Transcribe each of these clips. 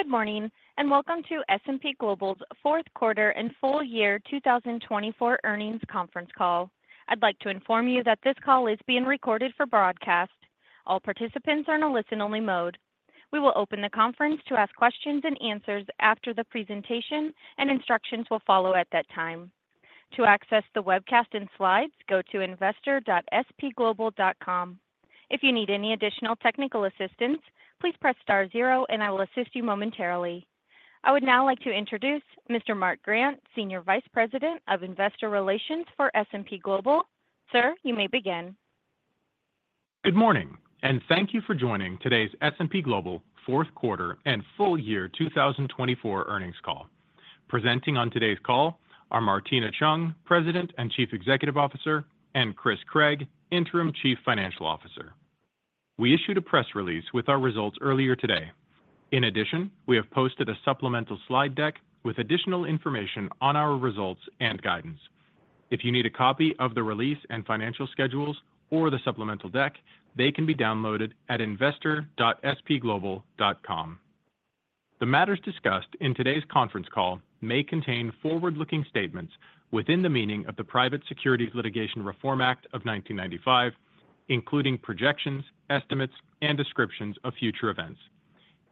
Good morning and welcome to S&P Global's fourth quarter and full year 2024 earnings conference call. I'd like to inform you that this call is being recorded for broadcast. All participants are in a listen-only mode. We will open the conference to ask questions and answers after the presentation, and instructions will follow at that time. To access the webcast and slides, go to investor.spglobal.com. If you need any additional technical assistance, please press star zero, and I will assist you momentarily. I would now like to introduce Mr. Mark Grant, Senior Vice President of Investor Relations for S&P Global. Sir, you may begin. Good morning, and thank you for joining today's S&P Global fourth quarter and full year 2024 earnings call. Presenting on today's call are Martina Cheung, President and Chief Executive Officer, and Chris Craig, Interim Chief Financial Officer. We issued a press release with our results earlier today. In addition, we have posted a supplemental slide deck with additional information on our results and guidance. If you need a copy of the release and financial schedules or the supplemental deck, they can be downloaded at investor.spglobal.com. The matters discussed in today's conference call may contain forward-looking statements within the meaning of the Private Securities Litigation Reform Act of 1995, including projections, estimates, and descriptions of future events.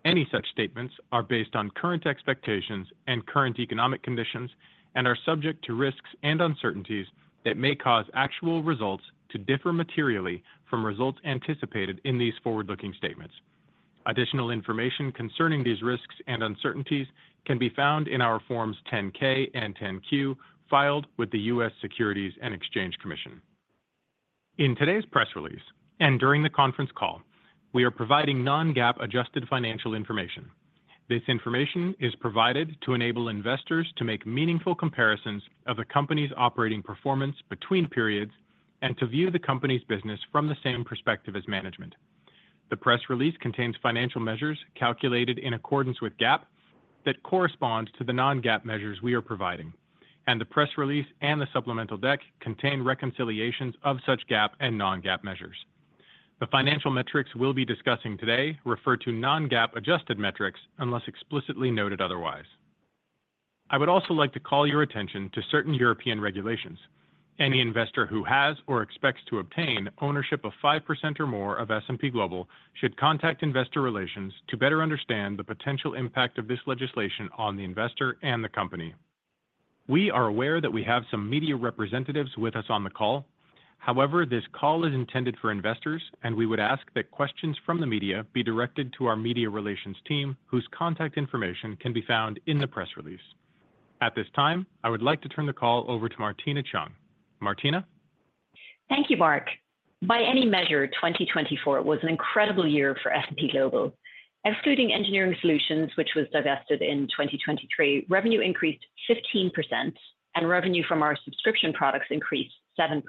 Any such statements are based on current expectations and current economic conditions and are subject to risks and uncertainties that may cause actual results to differ materially from results anticipated in these forward-looking statements. Additional information concerning these risks and uncertainties can be found in our Forms 10-K and 10-Q filed with the U.S. Securities and Exchange Commission. In today's press release and during the conference call, we are providing non-GAAP-adjusted financial information. This information is provided to enable investors to make meaningful comparisons of a company's operating performance between periods and to view the company's business from the same perspective as management. The press release contains financial measures calculated in accordance with GAAP that correspond to the non-GAAP measures we are providing, and the press release and the supplemental deck contain reconciliations of such GAAP and non-GAAP measures. The financial metrics we'll be discussing today refer to non-GAAP-adjusted metrics unless explicitly noted otherwise. I would also like to call your attention to certain European regulations. Any investor who has or expects to obtain ownership of 5% or more of S&P Global should contact investor relations to better understand the potential impact of this legislation on the investor and the company. We are aware that we have some media representatives with us on the call. However, this call is intended for investors, and we would ask that questions from the media be directed to our media relations team, whose contact information can be found in the press release. At this time, I would like to turn the call over to Martina Cheung. Martina? Thank you, Mark. By any measure, 2024 was an incredible year for S&P Global. Excluding Engineering Solutions, which was divested in 2023, revenue increased 15%, and revenue from our subscription products increased 7%.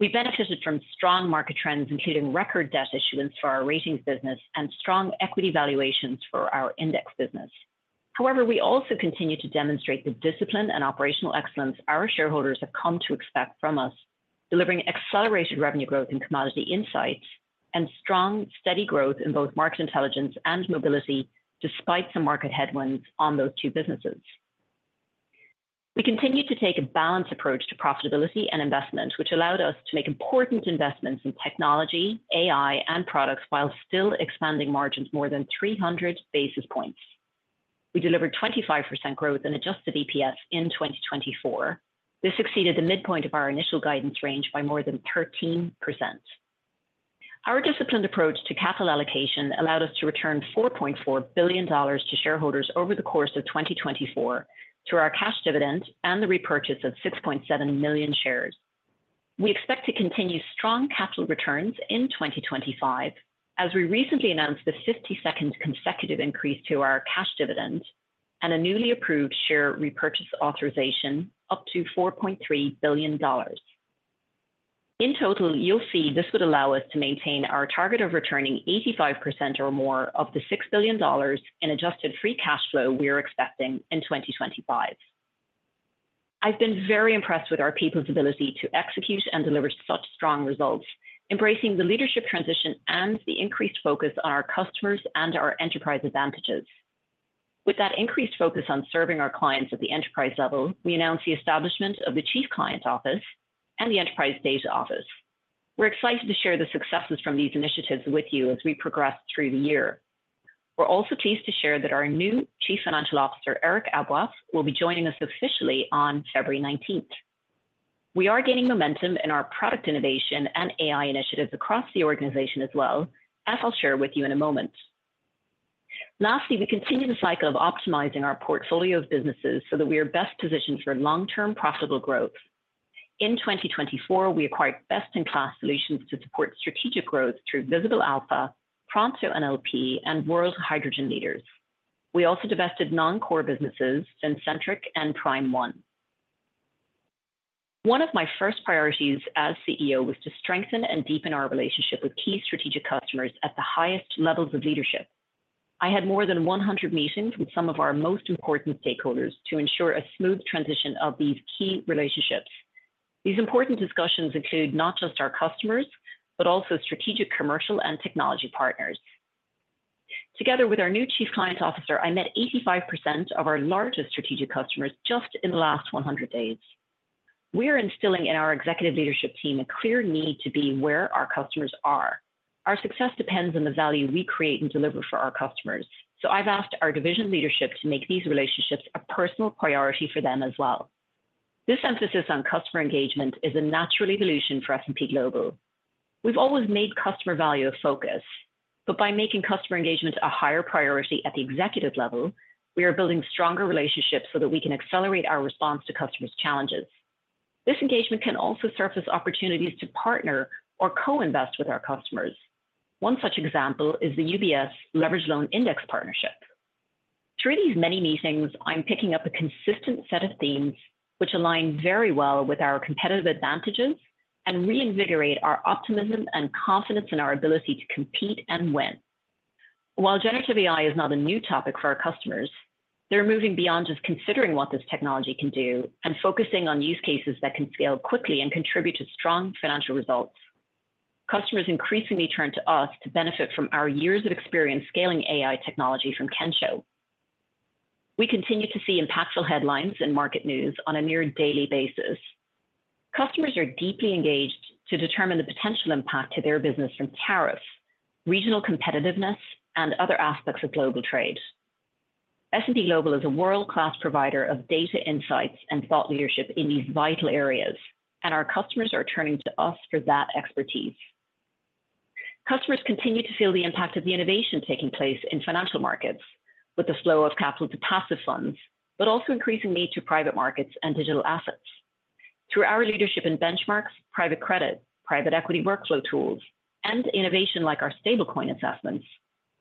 We benefited from strong market trends, including record debt issuance for our Ratings business and strong equity valuations for our index business. However, we also continue to demonstrate the discipline and operational excellence our shareholders have come to expect from us, delivering accelerated revenue growth in Commodity Insights and strong, steady growth in both Market Intelligence and Mobility, despite some market headwinds on those two businesses. We continue to take a balanced approach to profitability and investment, which allowed us to make important investments in technology, AI, and products while still expanding margins more than 300 basis points. We delivered 25% growth in adjusted EPS in 2024. This exceeded the midpoint of our initial guidance range by more than 13%. Our disciplined approach to capital allocation allowed us to return $4.4 billion to shareholders over the course of 2024 through our cash dividend and the repurchase of 6.7 million shares. We expect to continue strong capital returns in 2025, as we recently announced the 52nd consecutive increase to our cash dividend and a newly approved share repurchase authorization up to $4.3 billion. In total, you'll see this would allow us to maintain our target of returning 85% or more of the $6 billion in adjusted free cash flow we are expecting in 2025. I've been very impressed with our people's ability to execute and deliver such strong results, embracing the leadership transition and the increased focus on our customers and our enterprise advantages. With that increased focus on serving our clients at the enterprise level, we announced the establishment of the Chief Client Office and the Enterprise Data Office. We're excited to share the successes from these initiatives with you as we progress through the year. We're also pleased to share that our new Chief Financial Officer, Eric Aboaf, will be joining us officially on February 19th. We are gaining momentum in our product innovation and AI initiatives across the organization as well, as I'll share with you in a moment. Lastly, we continue the cycle of optimizing our portfolio of businesses so that we are best positioned for long-term profitable growth. In 2024, we acquired best-in-class solutions to support strategic growth through Visible Alpha, ProntoNLP, and World Hydrogen Leaders. We also divested non-core businesses in Fincentric and PrimeOne. One of my first priorities as CEO was to strengthen and deepen our relationship with key strategic customers at the highest levels of leadership. I had more than 100 meetings with some of our most important stakeholders to ensure a smooth transition of these key relationships. These important discussions include not just our customers, but also strategic commercial and technology partners. Together with our new Chief Client Officer, I met 85% of our largest strategic customers just in the last 100 days. We are instilling in our executive leadership team a clear need to be where our customers are. Our success depends on the value we create and deliver for our customers. So I've asked our division leadership to make these relationships a personal priority for them as well. This emphasis on customer engagement is a natural evolution for S&P Global. We've always made customer value a focus, but by making customer engagement a higher priority at the executive level, we are building stronger relationships so that we can accelerate our response to customers' challenges. This engagement can also surface opportunities to partner or co-invest with our customers. One such example is the UBS Leveraged Loan Index partnership. Through these many meetings, I'm picking up a consistent set of themes which align very well with our competitive advantages and reinvigorate our optimism and confidence in our ability to compete and win. While generative AI is not a new topic for our customers, they're moving beyond just considering what this technology can do and focusing on use cases that can scale quickly and contribute to strong financial results. Customers increasingly turn to us to benefit from our years of experience scaling AI technology from Kensho. We continue to see impactful headlines and market news on a near daily basis. Customers are deeply engaged to determine the potential impact to their business from tariffs, regional competitiveness, and other aspects of global trade. S&P Global is a world-class provider of data insights and thought leadership in these vital areas, and our customers are turning to us for that expertise. Customers continue to feel the impact of the innovation taking place in financial markets with the flow of capital to passive funds, but also increasing need to private markets and digital assets. Through our leadership in benchmarks, private credit, private equity workflow tools, and innovation like our stablecoin assessments,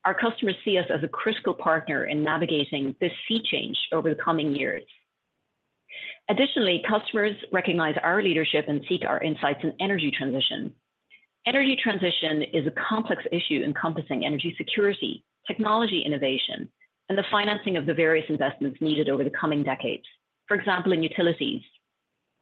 our customers see us as a critical partner in navigating this sea change over the coming years. Additionally, customers recognize our leadership and seek our insights in energy transition. Energy transition is a complex issue encompassing energy security, technology innovation, and the financing of the various investments needed over the coming decades, for example, in utilities.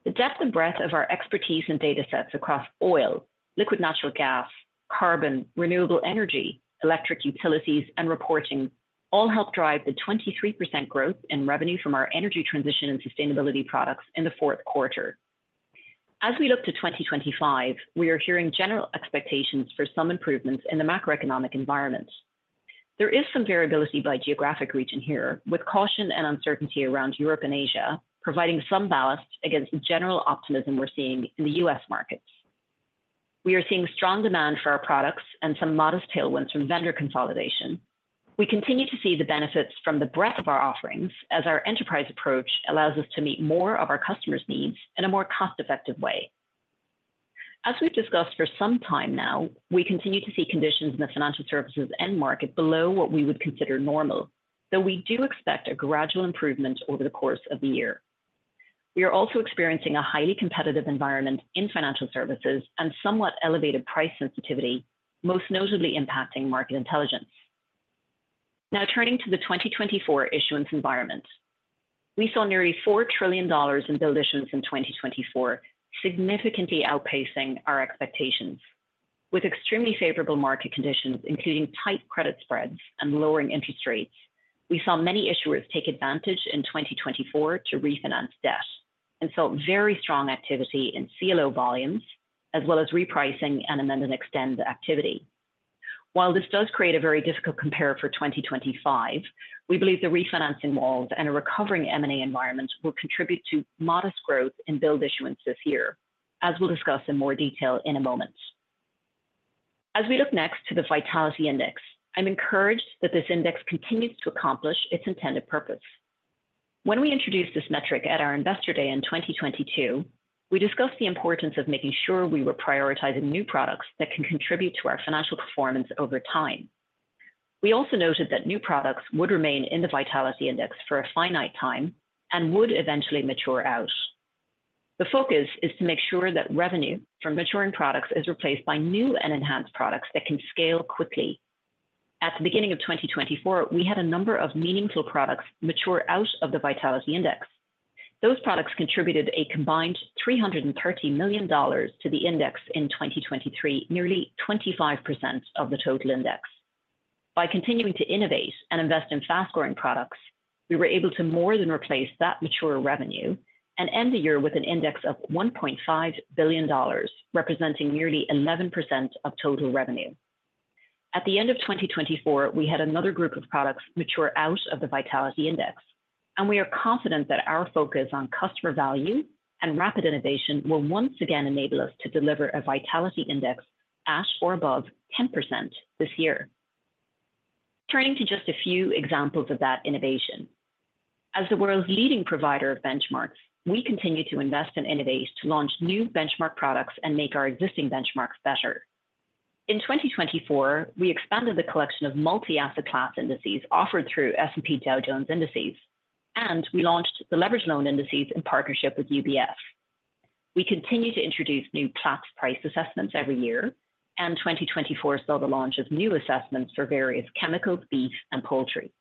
The depth and breadth of our expertise and data sets across oil, liquid natural gas, carbon, renewable energy, electric utilities, and reporting all help drive the 23% growth in revenue from our energy transition and sustainability products in the fourth quarter. As we look to 2025, we are hearing general expectations for some improvements in the macroeconomic environment. There is some variability by geographic region here, with caution and uncertainty around Europe and Asia providing some ballast against the general optimism we're seeing in the U.S. markets. We are seeing strong demand for our products and some modest tailwinds from vendor consolidation. We continue to see the benefits from the breadth of our offerings as our enterprise approach allows us to meet more of our customers' needs in a more cost-effective way. As we've discussed for some time now, we continue to see conditions in the financial services end market below what we would consider normal, though we do expect a gradual improvement over the course of the year. We are also experiencing a highly competitive environment in financial services and somewhat elevated price sensitivity, most notably impacting Market Intelligence. Now turning to the 2024 issuance environment, we saw nearly $4 trillion in billed issuance in 2024, significantly outpacing our expectations. With extremely favorable market conditions, including tight credit spreads and lowering interest rates, we saw many issuers take advantage in 2024 to refinance debt and saw very strong activity in CLO volumes, as well as repricing and amend and extend activity. While this does create a very difficult compare for 2025, we believe the refinancing walls and a recovering M&A environment will contribute to modest growth in billed issuance this year, as we'll discuss in more detail in a moment. As we look next to the Vitality Index, I'm encouraged that this index continues to accomplish its intended purpose. When we introduced this metric at our investor day in 2022, we discussed the importance of making sure we were prioritizing new products that can contribute to our financial performance over time. We also noted that new products would remain in the Vitality Index for a finite time and would eventually mature out. The focus is to make sure that revenue from maturing products is replaced by new and enhanced products that can scale quickly. At the beginning of 2024, we had a number of meaningful products mature out of the Vitality Index. Those products contributed a combined $330 million to the index in 2023, nearly 25% of the total index. By continuing to innovate and invest in fast-growing products, we were able to more than replace that mature revenue and end the year with an index of $1.5 billion, representing nearly 11% of total revenue. At the end of 2024, we had another group of products mature out of the Vitality Index, and we are confident that our focus on customer value and rapid innovation will once again enable us to deliver a Vitality Index at or above 10% this year. Turning to just a few examples of that innovation. As the world's leading provider of benchmarks, we continue to invest and innovate to launch new benchmark products and make our existing benchmarks better. In 2024, we expanded the collection of multi-asset class Indices offered through S&P Dow Jones Indices, and we launched the Leveraged Loan Indices in partnership with UBS. We continue to introduce new class price assessments every year, and 2024 saw the launch of new assessments for various chemicals, beef, and poultry.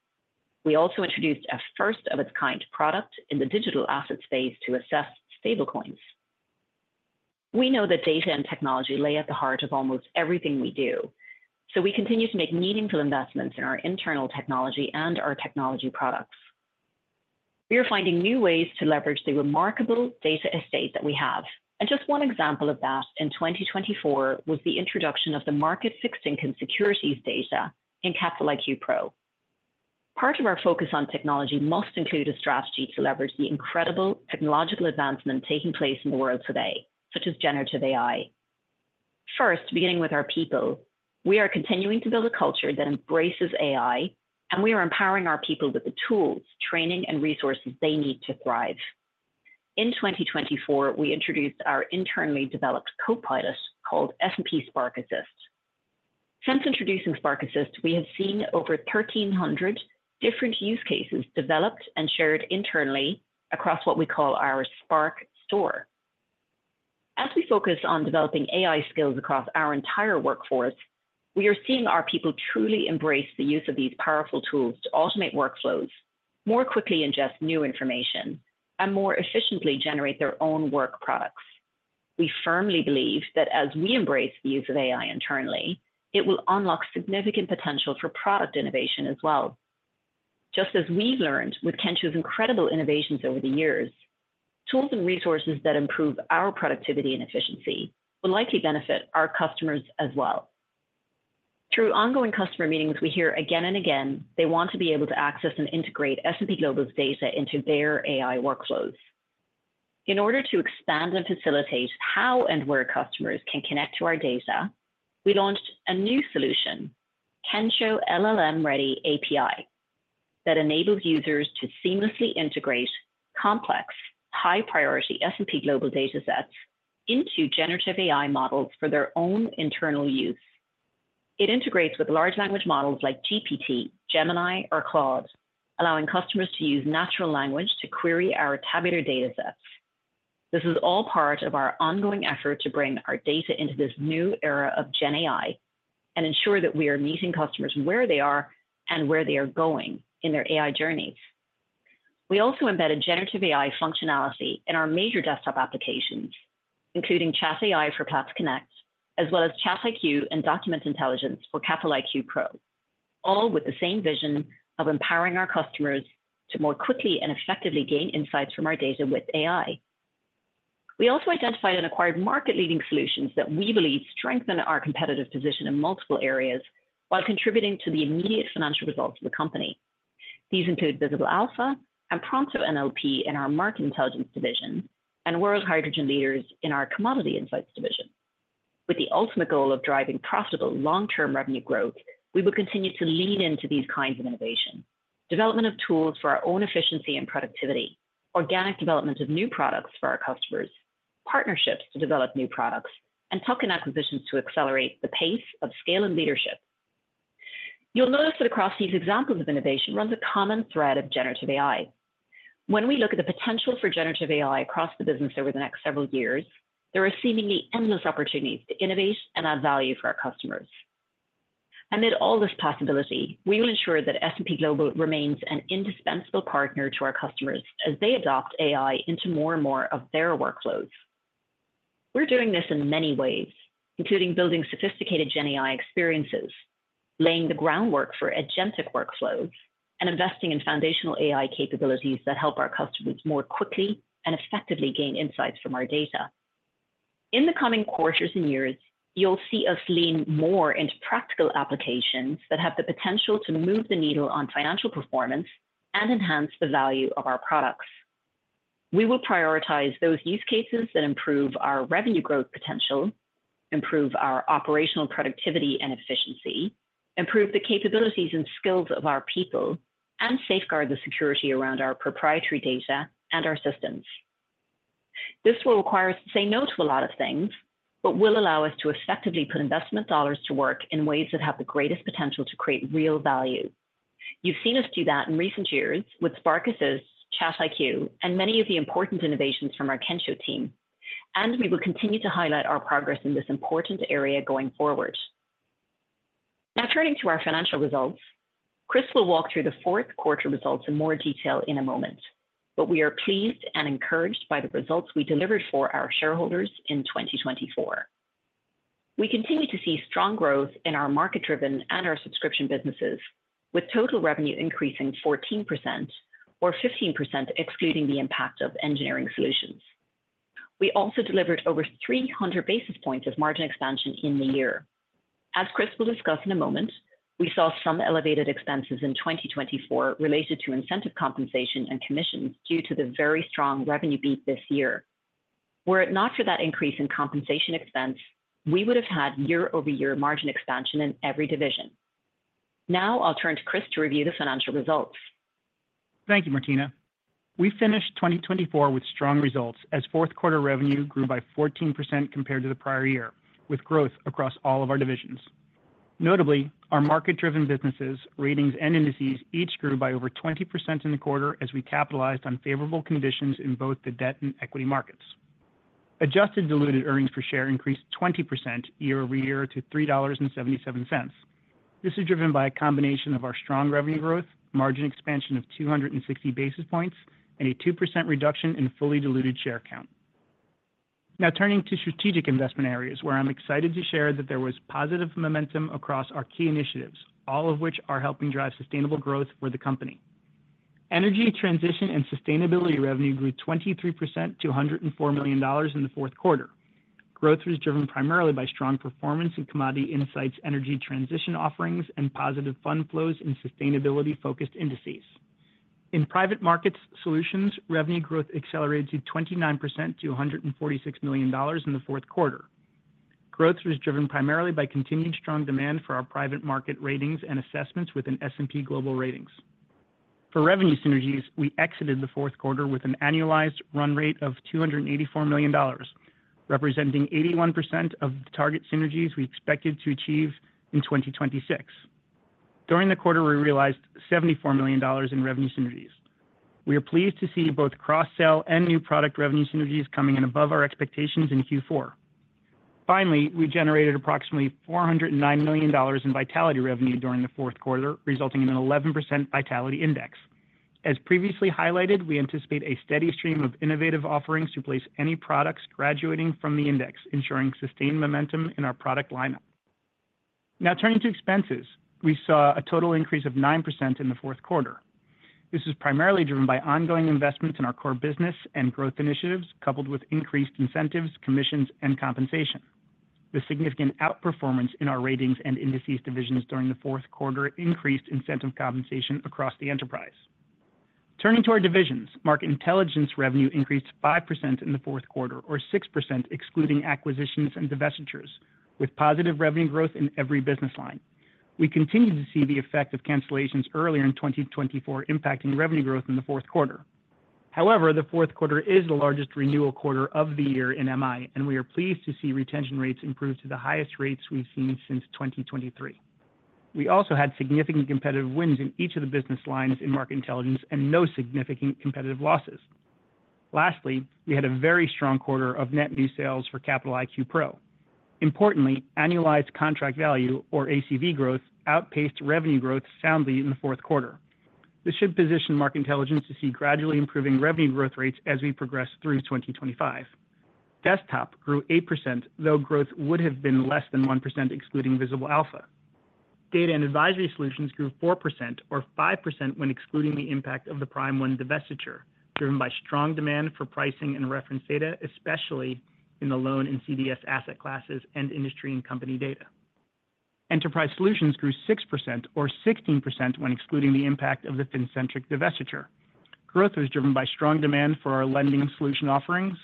We also introduced a first-of-its-kind product in the digital asset space to assess stablecoins. We know that data and technology lie at the heart of almost everything we do, so we continue to make meaningful investments in our internal technology and our technology products. We are finding new ways to leverage the remarkable data estate that we have, and just one example of that in 2024 was the introduction of the fixed income securities data in Capital IQ Pro. Part of our focus on technology must include a strategy to leverage the incredible technological advancement taking place in the world today, such as generative AI. First, beginning with our people, we are continuing to build a culture that embraces AI, and we are empowering our people with the tools, training, and resources they need to thrive. In 2024, we introduced our internally developed co-pilot called S&P Spark Assist. Since introducing Spark Assist, we have seen over 1,300 different use cases developed and shared internally across what we call our Spark Store. As we focus on developing AI skills across our entire workforce, we are seeing our people truly embrace the use of these powerful tools to automate workflows, more quickly ingest new information, and more efficiently generate their own work products. We firmly believe that as we embrace the use of AI internally, it will unlock significant potential for product innovation as well. Just as we've learned with Kensho's incredible innovations over the years, tools and resources that improve our productivity and efficiency will likely benefit our customers as well. Through ongoing customer meetings, we hear again and again they want to be able to access and integrate S&P Global's data into their AI workflows. In order to expand and facilitate how and where customers can connect to our data, we launched a new solution, Kensho LLM-ready API, that enables users to seamlessly integrate complex, high-priority S&P Global data sets into generative AI models for their own internal use. It integrates with large language models like GPT, Gemini, or Claude, allowing customers to use natural language to query our tabular data sets. This is all part of our ongoing effort to bring our data into this new era of Gen AI and ensure that we are meeting customers where they are and where they are going in their AI journeys. We also embedded generative AI functionality in our major Desktop applications, including ChatAI for Platts Connect, as well as ChatIQ and Document Intelligence for Capital IQ Pro, all with the same vision of empowering our customers to more quickly and effectively gain insights from our data with AI. We also identified and acquired market-leading solutions that we believe strengthen our competitive position in multiple areas while contributing to the immediate financial results of the company. These include Visible Alpha and ProntoNLP in our Market Intelligence division and World Hydrogen Leaders in our Commodity Insights division. With the ultimate goal of driving profitable long-term revenue growth, we will continue to lean into these kinds of innovation: development of tools for our own efficiency and productivity, organic development of new products for our customers, partnerships to develop new products, and targeted acquisitions to accelerate the pace and scale and leadership. You'll notice that across these examples of innovation runs a common thread of generative AI. When we look at the potential for generative AI across the business over the next several years, there are seemingly endless opportunities to innovate and add value for our customers. Amid all this possibility, we will ensure that S&P Global remains an indispensable partner to our customers as they adopt AI into more and more of their workflows. We're doing this in many ways, including building sophisticated Gen AI experiences, laying the groundwork for agentic workflows, and investing in foundational AI capabilities that help our customers more quickly and effectively gain insights from our data. In the coming quarters and years, you'll see us lean more into practical applications that have the potential to move the needle on financial performance and enhance the value of our products. We will prioritize those use cases that improve our revenue growth potential, improve our operational productivity and efficiency, improve the capabilities and skills of our people, and safeguard the security around our proprietary data and our systems. This will require us to say no to a lot of things, but will allow us to effectively put investment dollars to work in ways that have the greatest potential to create real value. You've seen us do that in recent years with Spark Assist, ChatIQ, and many of the important innovations from our Kensho team, and we will continue to highlight our progress in this important area going forward. Now turning to our financial results, Chris will walk through the fourth quarter results in more detail in a moment, but we are pleased and encouraged by the results we delivered for our shareholders in 2024. We continue to see strong growth in our market-driven and our subscription businesses, with total revenue increasing 14% or 15% excluding the impact of Engineering Solutions. We also delivered over 300 basis points of margin expansion in the year. As Chris will discuss in a moment, we saw some elevated expenses in 2024 related to incentive compensation and commissions due to the very strong revenue beat this year. Were it not for that increase in compensation expense, we would have had year-over-year margin expansion in every division. Now I'll turn to Chris to review the financial results. Thank you, Martina. We finished 2024 with strong results as fourth quarter revenue grew by 14% compared to the prior year, with growth across all of our divisions. Notably, our Market-Driven businesses, Ratings, and Indices each grew by over 20% in the quarter as we capitalized on favorable conditions in both the debt and equity markets. Adjusted Diluted Earnings Per Share increased 20% year-over-year to $3.77. This is driven by a combination of our strong revenue growth, margin expansion of 260 basis points, and a 2% reduction in fully diluted share count. Now turning to strategic investment areas, where I'm excited to share that there was positive momentum across our key initiatives, all of which are helping drive sustainable growth for the company. Energy transition and sustainability revenue grew 23% to $104 million in the fourth quarter. Growth was driven primarily by strong performance in Commodity Insights, energy transition offerings, and positive fund flows in sustainability-focused Indices. In private markets, solutions revenue growth accelerated to 29% to $146 million in the fourth quarter. Growth was driven primarily by continued strong demand for our Private Market Ratings and Assessments within S&P Global Ratings. For revenue synergies, we exited the fourth quarter with an annualized run rate of $284 million, representing 81% of the target synergies we expected to achieve in 2026. During the quarter, we realized $74 million in revenue synergies. We are pleased to see both cross-sell and new product revenue synergies coming in above our expectations in Q4. Finally, we generated approximately $409 million in Vitality revenue during the fourth quarter, resulting in an 11% Vitality Index. As previously highlighted, we anticipate a steady stream of innovative offerings to place any products graduating from the index, ensuring sustained momentum in our product lineup. Now turning to expenses, we saw a total increase of 9% in the fourth quarter. This is primarily driven by ongoing investments in our core business and growth initiatives, coupled with increased incentives, commissions, and compensation. The significant outperformance in our Ratings and Indices divisions during the fourth quarter increased incentive compensation across the enterprise. Turning to our divisions, Market Intelligence revenue increased 5% in the fourth quarter, or 6% excluding acquisitions and divestitures, with positive revenue growth in every business line. We continue to see the effect of cancellations earlier in 2024 impacting revenue growth in the fourth quarter. However, the fourth quarter is the largest renewal quarter of the year in MI, and we are pleased to see retention rates improve to the highest rates we've seen since 2023. We also had significant competitive wins in each of the business lines in Market Intelligence and no significant competitive losses. Lastly, we had a very strong quarter of net new sales for Capital IQ Pro. Importantly, annualized contract value, or ACV growth, outpaced revenue growth soundly in the fourth quarter. This should position Market Intelligence to see gradually improving revenue growth rates as we progress through 2025. Desktop grew 8%, though growth would have been less than 1% excluding Visible Alpha. Data and Advisory Solutions grew 4% or 5% when excluding the impact of the PrimeOne divestiture, driven by strong demand for pricing and reference data, especially in the loan and CDS asset classes and industry and company data. Enterprise Solutions grew 6% or 16% when excluding the impact of the Fincentric divestiture. Growth was driven by strong demand for our lending solution offerings,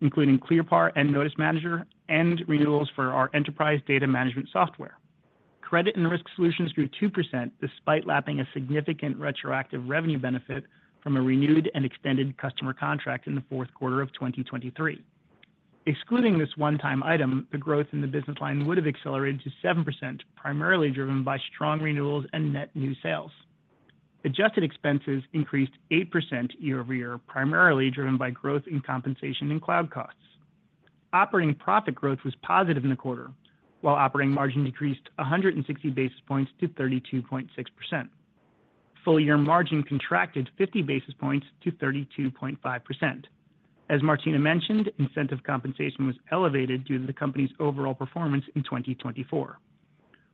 including ClearPar and Notice Manager, and renewals for our enterprise data management software. Credit and Risk Solutions grew 2% despite lapping a significant retroactive revenue benefit from a renewed and extended customer contract in the fourth quarter of 2023. Excluding this one-time item, the growth in the business line would have accelerated to 7%, primarily driven by strong renewals and net new sales. Adjusted expenses increased 8% year-over-year, primarily driven by growth in compensation and cloud costs. Operating profit growth was positive in the quarter, while operating margin decreased 160 basis points to 32.6%. Full-year margin contracted 50 basis points to 32.5%. As Martina mentioned, incentive compensation was elevated due to the company's overall performance in 2024.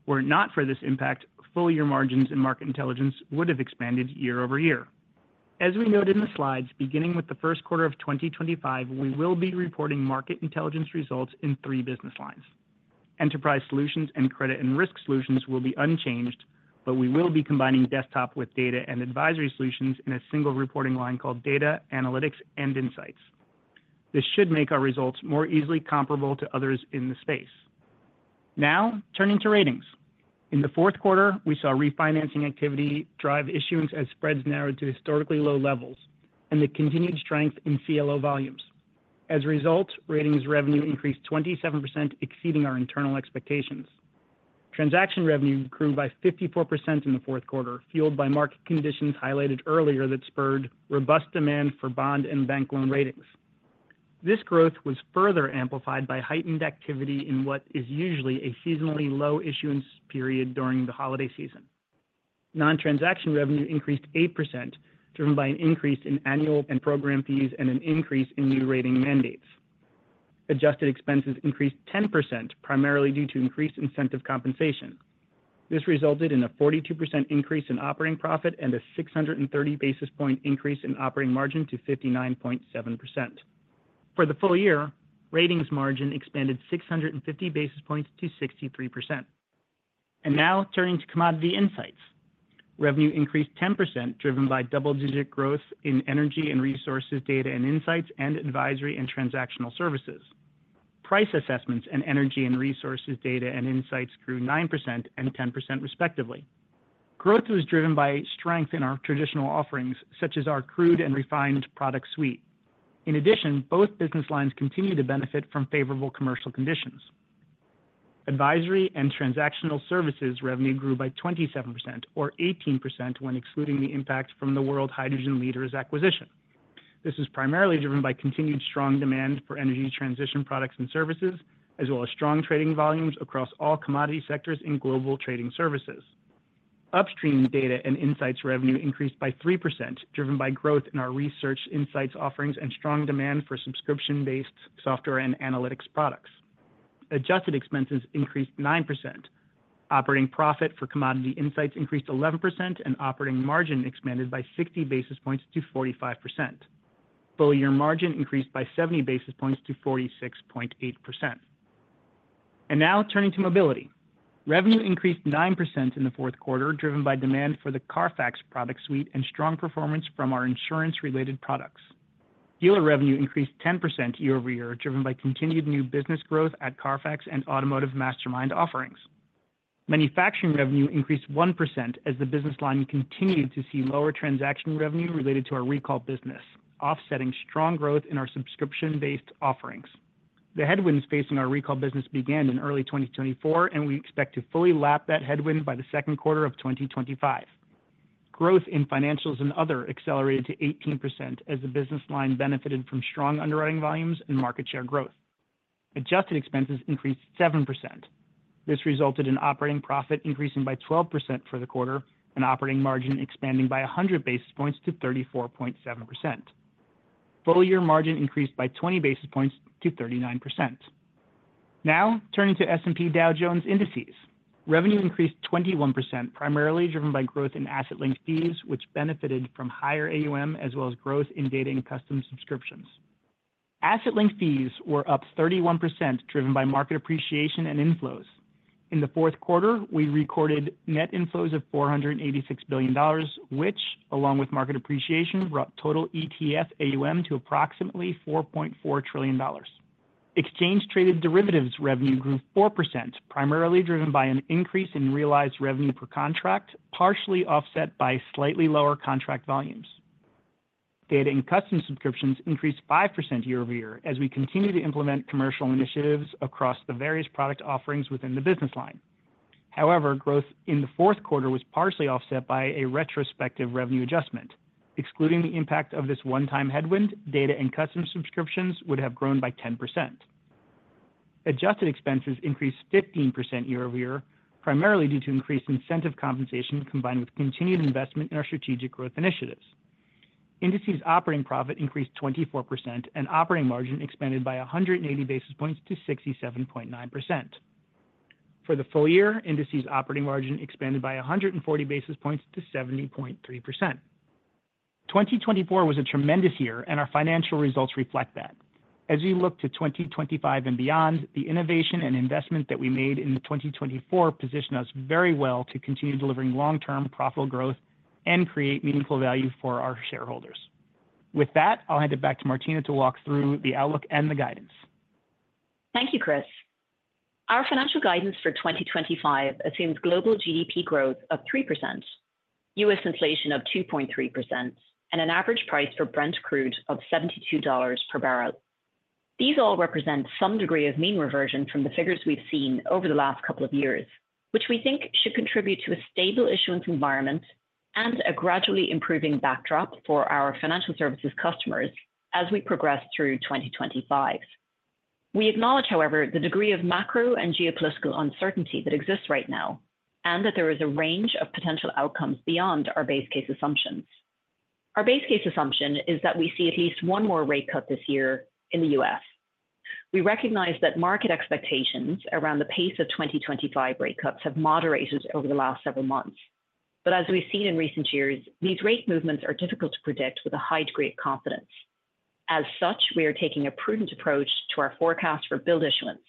Were it not for this impact, full-year margins and Market Intelligence would have expanded year-over-year. As we noted in the slides, beginning with the first quarter of 2025, we will be reporting Market Intelligence results in three business lines. Enterprise Solutions and Credit and Risk Solutions will be unchanged, but we will be combining Desktop with Data and Advisory Solutions in a single reporting line called Data, Analytics, and Insights. This should make our results more easily comparable to others in the space. Now turning to Ratings. In the fourth quarter, we saw refinancing activity drive issuance as spreads narrowed to historically low levels and the continued strength in CLO volumes. As a result, Ratings revenue increased 27%, exceeding our internal expectations. Transaction revenue grew by 54% in the fourth quarter, fueled by market conditions highlighted earlier that spurred robust demand for bond and bank loan Ratings. This growth was further amplified by heightened activity in what is usually a seasonally low issuance period during the holiday season. Non-transaction revenue increased 8%, driven by an increase in annual and program fees and an increase in new rating mandates. Adjusted expenses increased 10%, primarily due to increased incentive compensation. This resulted in a 42% increase in operating profit and a 630 basis points increase in operating margin to 59.7%. For the full year, Ratings margin expanded 650 basis points to 63%, and now turning to Commodity Insights. Revenue increased 10%, driven by double-digit growth in Energy & Resources Data & Insights and Advisory & Transactional Services. Price assessments and Energy & Resources Data & Insights grew 9% and 10% respectively. Growth was driven by strength in our traditional offerings, such as our crude and refined product suite. In addition, both business lines continue to benefit from favorable commercial conditions. Advisory & Transactional Services revenue grew by 27% or 18% when excluding the impact from the World Hydrogen Leaders acquisition. This is primarily driven by continued strong demand for energy transition products and services, as well as strong trading volumes across all commodity sectors in Global Trading Services. Upstream Data & Insights revenue increased by 3%, driven by growth in our research insights offerings and strong demand for subscription-based software and analytics products. Adjusted expenses increased 9%. Operating Profit for Commodity Insights increased 11%, and operating margin expanded by 60 basis points to 45%. Full-year margin increased by 70 basis points to 46.8%. Now turning to Mobility. Revenue increased 9% in the fourth quarter, driven by demand for the CARFAX product suite and strong performance from our insurance-related products. Dealer revenue increased 10% year-over-year, driven by continued new business growth at CARFAX and Automotive Mastermind offerings. Manufacturing revenue increased 1% as the business line continued to see lower transaction revenue related to our recall business, offsetting strong growth in our subscription-based offerings. The headwinds facing our recall business began in early 2024, and we expect to fully lap that headwind by the second quarter of 2025. Growth in Financials and Other accelerated to 18% as the business line benefited from strong underwriting volumes and market share growth. Adjusted expenses increased 7%. This resulted in operating profit increasing by 12% for the quarter and operating margin expanding by 100 basis points to 34.7%. Full-year margin increased by 20 basis points to 39%. Now turning to S&P Dow Jones Indices. Revenue increased 21%, primarily driven by growth in asset-linked fees, which benefited from higher AUM, as well as growth in Data and Custom Subscriptions. Asset-Linked Fees were up 31%, driven by market appreciation and inflows. In the fourth quarter, we recorded net inflows of $486 billion, which, along with market appreciation, brought total ETF AUM to approximately $4.4 trillion. Exchange-Traded Derivatives revenue grew 4%, primarily driven by an increase in realized revenue per contract, partially offset by slightly lower contract volumes. Data and Custom Subscriptions increased 5% year-over-year as we continue to implement commercial initiatives across the various product offerings within the business line. However, growth in the fourth quarter was partially offset by a retrospective revenue adjustment. Excluding the impact of this one-time headwind, Data and Customer Subscriptions would have grown by 10%. Adjusted expenses increased 15% year-over-year, primarily due to increased incentive compensation combined with continued investment in our strategic growth initiatives. Indices operating profit increased 24%, and operating margin expanded by 180 basis points to 67.9%. For the full year, Indices operating margin expanded by 140 basis points to 70.3%. 2024 was a tremendous year, and our financial results reflect that. As we look to 2025 and beyond, the innovation and investment that we made in 2024 position us very well to continue delivering long-term profitable growth and create meaningful value for our shareholders. With that, I'll hand it back to Martina to walk through the outlook and the guidance. Thank you, Chris. Our financial guidance for 2025 assumes global GDP growth of 3%, U.S. inflation of 2.3%, and an average price for Brent Crude of $72 per barrel. These all represent some degree of mean reversion from the figures we've seen over the last couple of years, which we think should contribute to a stable issuance environment and a gradually improving backdrop for our financial services customers as we progress through 2025. We acknowledge, however, the degree of macro and geopolitical uncertainty that exists right now and that there is a range of potential outcomes beyond our base case assumptions. Our base case assumption is that we see at least one more rate cut this year in the U.S. We recognize that market expectations around the pace of 2025 rate cuts have moderated over the last several months. But as we've seen in recent years, these rate movements are difficult to predict with a high degree of confidence. As such, we are taking a prudent approach to our forecast for billed issuance.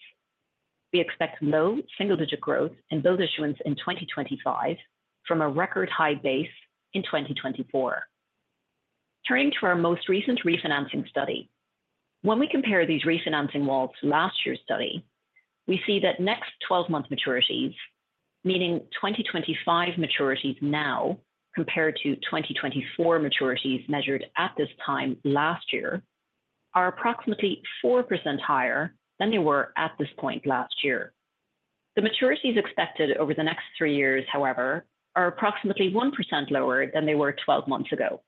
We expect low single-digit growth in billed issuance in 2025 from a record high base in 2024. Turning to our most recent refinancing study, when we compare these refinancing walls to last year's study, we see that next 12-month maturities, meaning 2025 maturities now compared to 2024 maturities measured at this time last year, are approximately 4% higher than they were at this point last year. The maturities expected over the next three years, however, are approximately 1% lower than they were 12 months ago.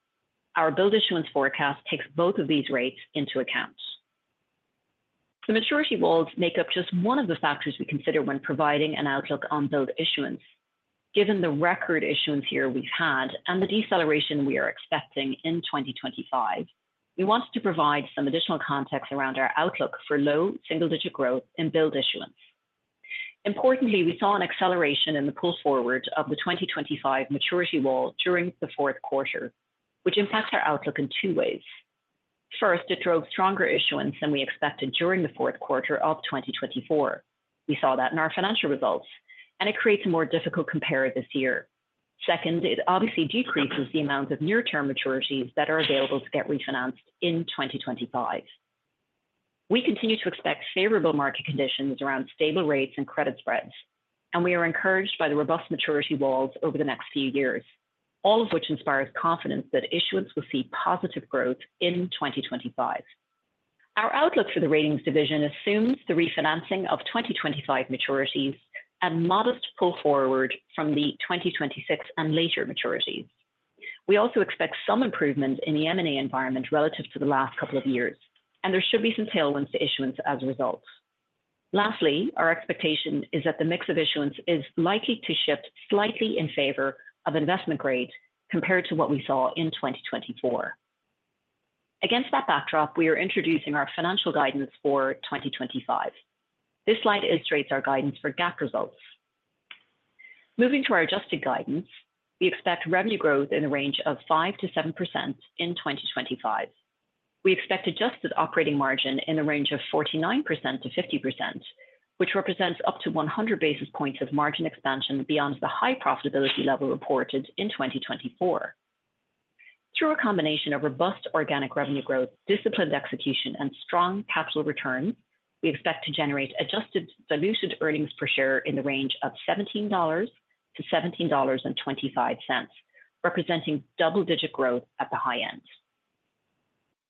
Our billed issuance forecast takes both of these rates into account. The maturity walls make up just one of the factors we consider when providing an outlook on billed issuance. Given the record issuance year we've had and the deceleration we are expecting in 2025, we wanted to provide some additional context around our outlook for low single-digit growth in billed issuance. Importantly, we saw an acceleration in the pull forward of the 2025 maturity wall during the fourth quarter, which impacts our outlook in two ways. First, it drove stronger issuance than we expected during the fourth quarter of 2024. We saw that in our financial results, and it creates a more difficult comparison this year. Second, it obviously decreases the amount of near-term maturities that are available to get refinanced in 2025. We continue to expect favorable market conditions around stable rates and credit spreads, and we are encouraged by the robust maturity walls over the next few years, all of which inspires confidence that issuance will see positive growth in 2025. Our outlook for the Ratings division assumes the refinancing of 2025 maturities and modest pull forward from the 2026 and later maturities. We also expect some improvement in the M&A environment relative to the last couple of years, and there should be some tailwinds to issuance as a result. Lastly, our expectation is that the mix of issuance is likely to shift slightly in favor of investment grade compared to what we saw in 2024. Against that backdrop, we are introducing our financial guidance for 2025. This slide illustrates our guidance for GAAP results. Moving to our adjusted guidance, we expect revenue growth in the range of 5%-7% in 2025. We expect adjusted operating margin in the range of 49%-50%, which represents up to 100 basis points of margin expansion beyond the high profitability level reported in 2024. Through a combination of robust organic revenue growth, disciplined execution, and strong capital returns, we expect to generate adjusted diluted earnings per share in the range of $17-$17.25, representing double-digit growth at the high end.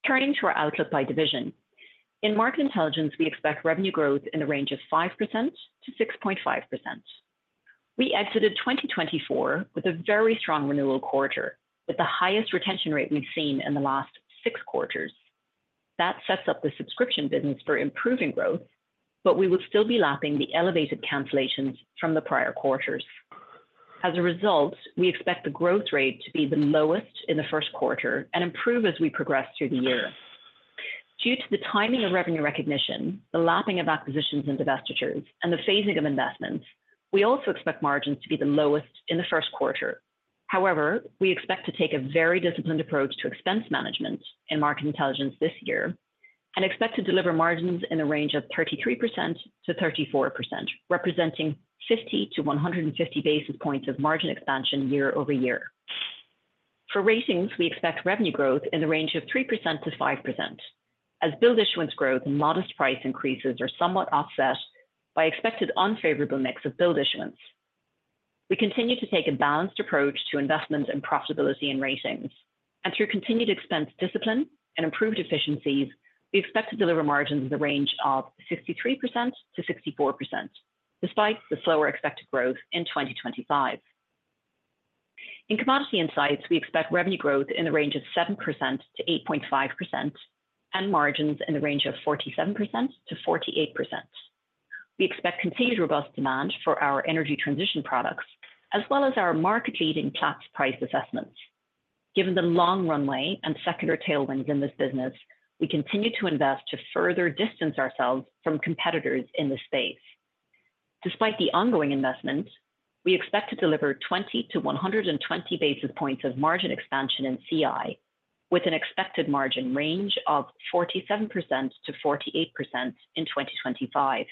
Turning to our outlook by division, in Market Intelligence, we expect revenue growth in the range of 5%-6.5%. We exited 2024 with a very strong renewal quarter, with the highest retention rate we've seen in the last six quarters. That sets up the subscription business for improving growth, but we will still be lapping the elevated cancellations from the prior quarters. As a result, we expect the growth rate to be the lowest in the first quarter and improve as we progress through the year. Due to the timing of revenue recognition, the lapping of acquisitions and divestitures, and the phasing of investments, we also expect margins to be the lowest in the first quarter. However, we expect to take a very disciplined approach to expense management in Market Intelligence this year and expect to deliver margins in the range of 33%-34%, representing 50-150 basis points of margin expansion year-over-year. For Ratings, we expect revenue growth in the range of 3%-5%, as billed issuance growth and modest price increases are somewhat offset by expected unfavorable mix of billed issuance. We continue to take a balanced approach to investment and profitability in Ratings, and through continued expense discipline and improved efficiencies, we expect to deliver margins in the range of 63%-64%, despite the slower expected growth in 2025. In Commodity Insights, we expect revenue growth in the range of 7%-8.5% and margins in the range of 47%-48%. We expect continued robust demand for our energy transition products, as well as our market-leading Platts price assessments. Given the long runway and secondary tailwinds in this business, we continue to invest to further distance ourselves from competitors in this space. Despite the ongoing investment, we expect to deliver 20-120 basis points of margin expansion in CI, with an expected margin range of 47%-48% in 2025.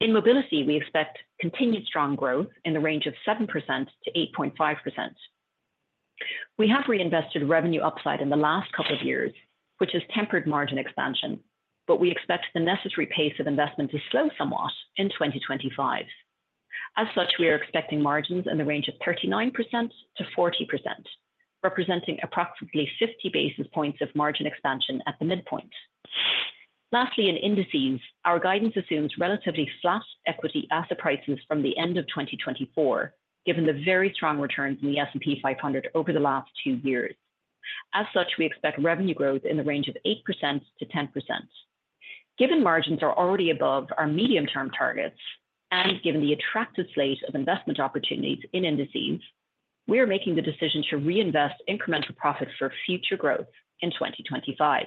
In Mobility, we expect continued strong growth in the range of 7%-8.5%. We have reinvested revenue upside in the last couple of years, which has tempered margin expansion, but we expect the necessary pace of investment to slow somewhat in 2025. As such, we are expecting margins in the range of 39%-40%, representing approximately 50 basis points of margin expansion at the midpoint. Lastly, in Indices, our guidance assumes relatively flat equity asset prices from the end of 2024, given the very strong returns in the S&P 500 over the last two years. As such, we expect revenue growth in the range of 8%-10%. Given margins are already above our medium-term targets and given the attractive slate of investment opportunities in Indices, we are making the decision to reinvest incremental profit for future growth in 2025.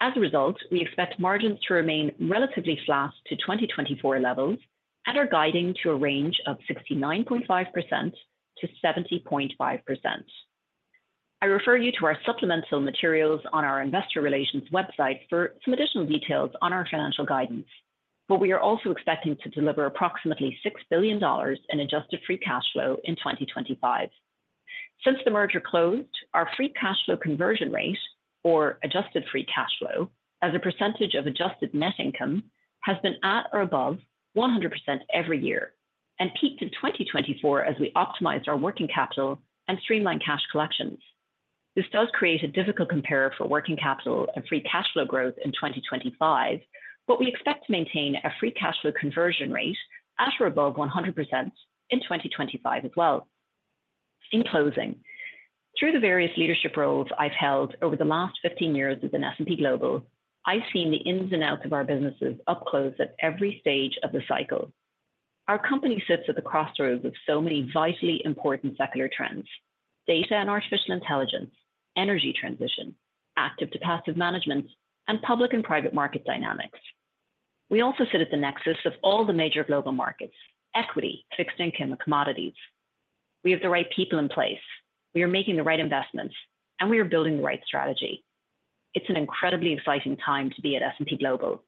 As a result, we expect margins to remain relatively flat to 2024 levels and our guiding to a range of 69.5%-70.5%. I refer you to our supplemental materials on our investor relations website for some additional details on our financial guidance, but we are also expecting to deliver approximately $6 billion in adjusted free cash flow in 2025. Since the merger closed, our free cash flow conversion rate, or adjusted free cash flow, as a percentage of adjusted net income, has been at or above 100% every year and peaked in 2024 as we optimized our working capital and streamlined cash collections. This does create a difficult comparison for working capital and free cash flow growth in 2025, but we expect to maintain a free cash flow conversion rate at or above 100% in 2025 as well. In closing, through the various leadership roles I've held over the last 15 years within S&P Global, I've seen the ins and outs of our businesses up close at every stage of the cycle. Our company sits at the crossroads of so many vitally important secular trends: data and artificial intelligence, energy transition, active to passive management, and public and private market dynamics. We also sit at the nexus of all the major global markets: equity, fixed income, and commodities. We have the right people in place. We are making the right investments, and we are building the right strategy. It's an incredibly exciting time to be at S&P Global.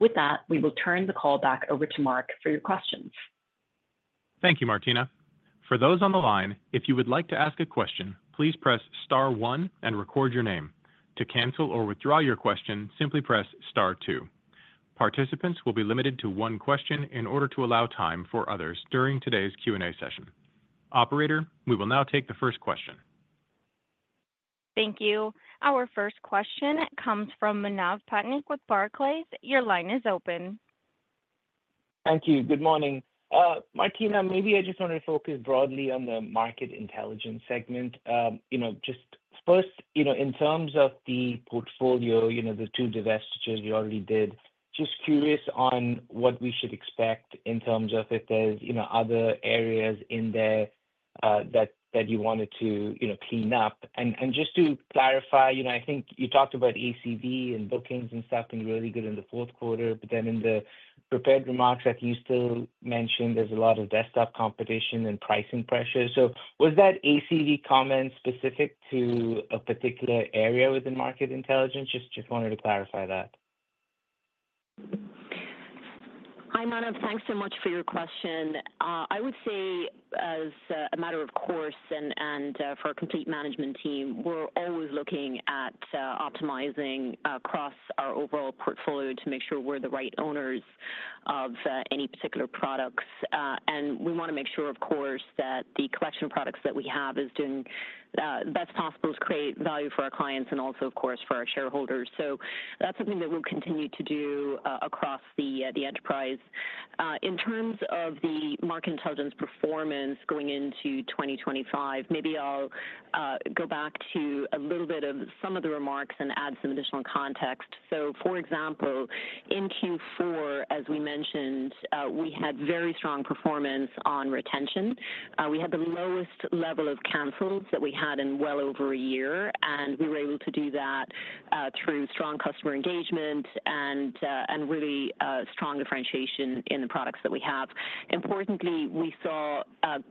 With that, we will turn the call back over to Mark for your questions. Thank you, Martina. For those on the line, if you would like to ask a question, please press star one and record your name. To cancel or withdraw your question, simply press star two. Participants will be limited to one question in order to allow time for others during today's Q&A session. Operator, we will now take the first question. Thank you. Our first question comes from Manav Patnaik with Barclays. Your line is open. Thank you. Good morning. Martina, maybe I just want to focus broadly on the Market Intelligence segment. Just first, in terms of the portfolio, the two divestitures you already did, just curious on what we should expect in terms of if there's other areas in there that you wanted to clean up. And just to clarify, I think you talked about ACV and bookings and stuff being really good in the fourth quarter, but then in the prepared remarks that you still mentioned, there's a lot of Desktop competition and pricing pressure. So was that ACV comment specific to a particular area within Market Intelligence? Just wanted to clarify that. Hi, Manav. Thanks so much for your question. I would say, as a matter of course and for a complete management team, we're always looking at optimizing across our overall portfolio to make sure we're the right owners of any particular products. And we want to make sure, of course, that the collection products that we have is doing the best possible to create value for our clients and also, of course, for our shareholders. So that's something that we'll continue to do across the enterprise. In terms of the Market Intelligence performance going into 2025, maybe I'll go back to a little bit of some of the remarks and add some additional context. So, for example, in Q4, as we mentioned, we had very strong performance on retention. We had the lowest level of cancels that we had in well over a year, and we were able to do that through strong customer engagement and really strong differentiation in the products that we have. Importantly, we saw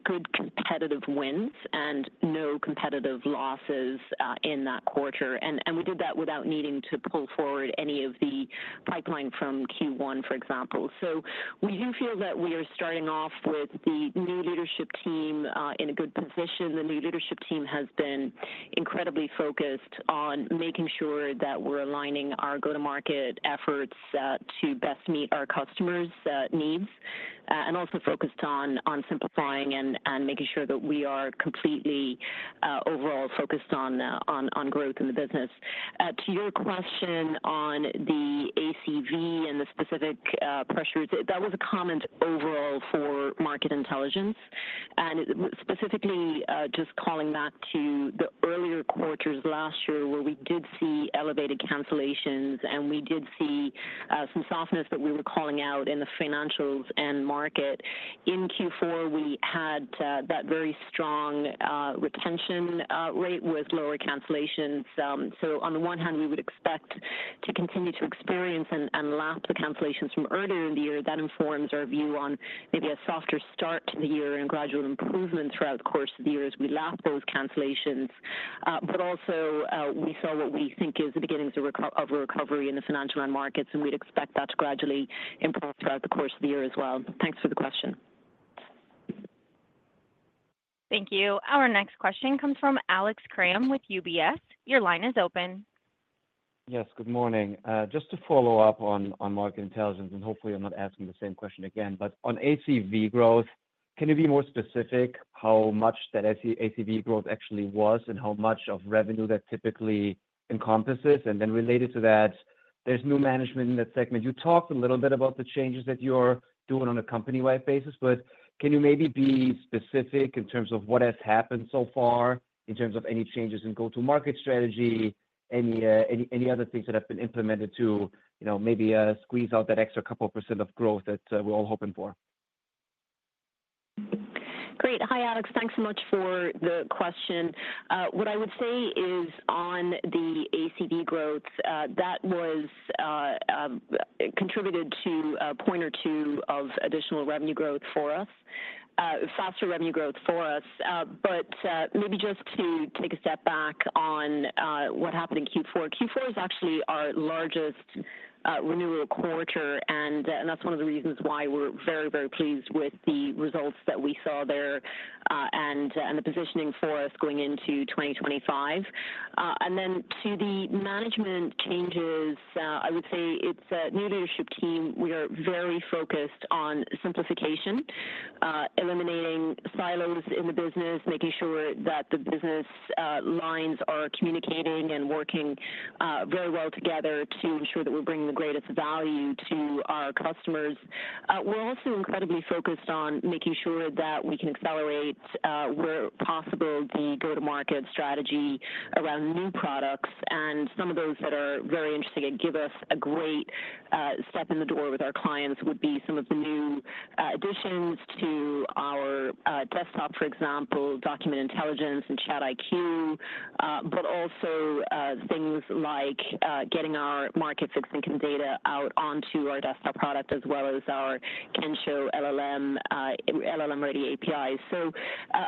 good competitive wins and no competitive losses in that quarter, and we did that without needing to pull forward any of the pipeline from Q1, for example, so we do feel that we are starting off with the new leadership team in a good position. The new leadership team has been incredibly focused on making sure that we're aligning our go-to-market efforts to best meet our customers' needs and also focused on simplifying and making sure that we are completely overall focused on growth in the business. To your question on the ACV and the specific pressures, that was a comment overall for Market Intelligence, and specifically just calling back to the earlier quarters last year where we did see elevated cancellations and we did see some softness that we were calling out in the financials and market. In Q4, we had that very strong retention rate with lower cancellations. So, on the one hand, we would expect to continue to experience and lap the cancellations from earlier in the year. That informs our view on maybe a softer start to the year and gradual improvement throughout the course of the year as we lap those cancellations. But also, we saw what we think is the beginnings of a recovery in the financial and markets, and we'd expect that to gradually improve throughout the course of the year as well. Thanks for the question. Thank you. Our next question comes from Alex Kramm with UBS. Your line is open. Yes, good morning. Just to follow up on Market Intelligence, and hopefully I'm not asking the same question again, but on ACV growth, can you be more specific how much that ACV growth actually was and how much of revenue that typically encompasses? And then related to that, there's new management in that segment. You talked a little bit about the changes that you're doing on a company-wide basis, but can you maybe be specific in terms of what has happened so far in terms of any changes in go-to-market strategy, any other things that have been implemented to maybe squeeze out that extra couple% of growth that we're all hoping for? Great. Hi, Alex. Thanks so much for the question. What I would say is on the ACV growth, that was contributed to a point or two of additional revenue growth for us, faster revenue growth for us, but maybe just to take a step back on what happened in Q4, Q4 is actually our largest renewal quarter, and that's one of the reasons why we're very, very pleased with the results that we saw there and the positioning for us going into 2025, and then to the management changes, I would say it's a new leadership team. We are very focused on simplification, eliminating silos in the business, making sure that the business lines are communicating and working very well together to ensure that we're bringing the greatest value to our customers. We're also incredibly focused on making sure that we can accelerate, where possible, the go-to-market strategy around new products. Some of those that are very interesting and give us a great foot in the door with our clients would be some of the new additions to our Desktop, for example, Document Intelligence and ChatIQ, but also things like getting our market fixed income data out onto our Desktop product as well as our Kensho LLM-ready API.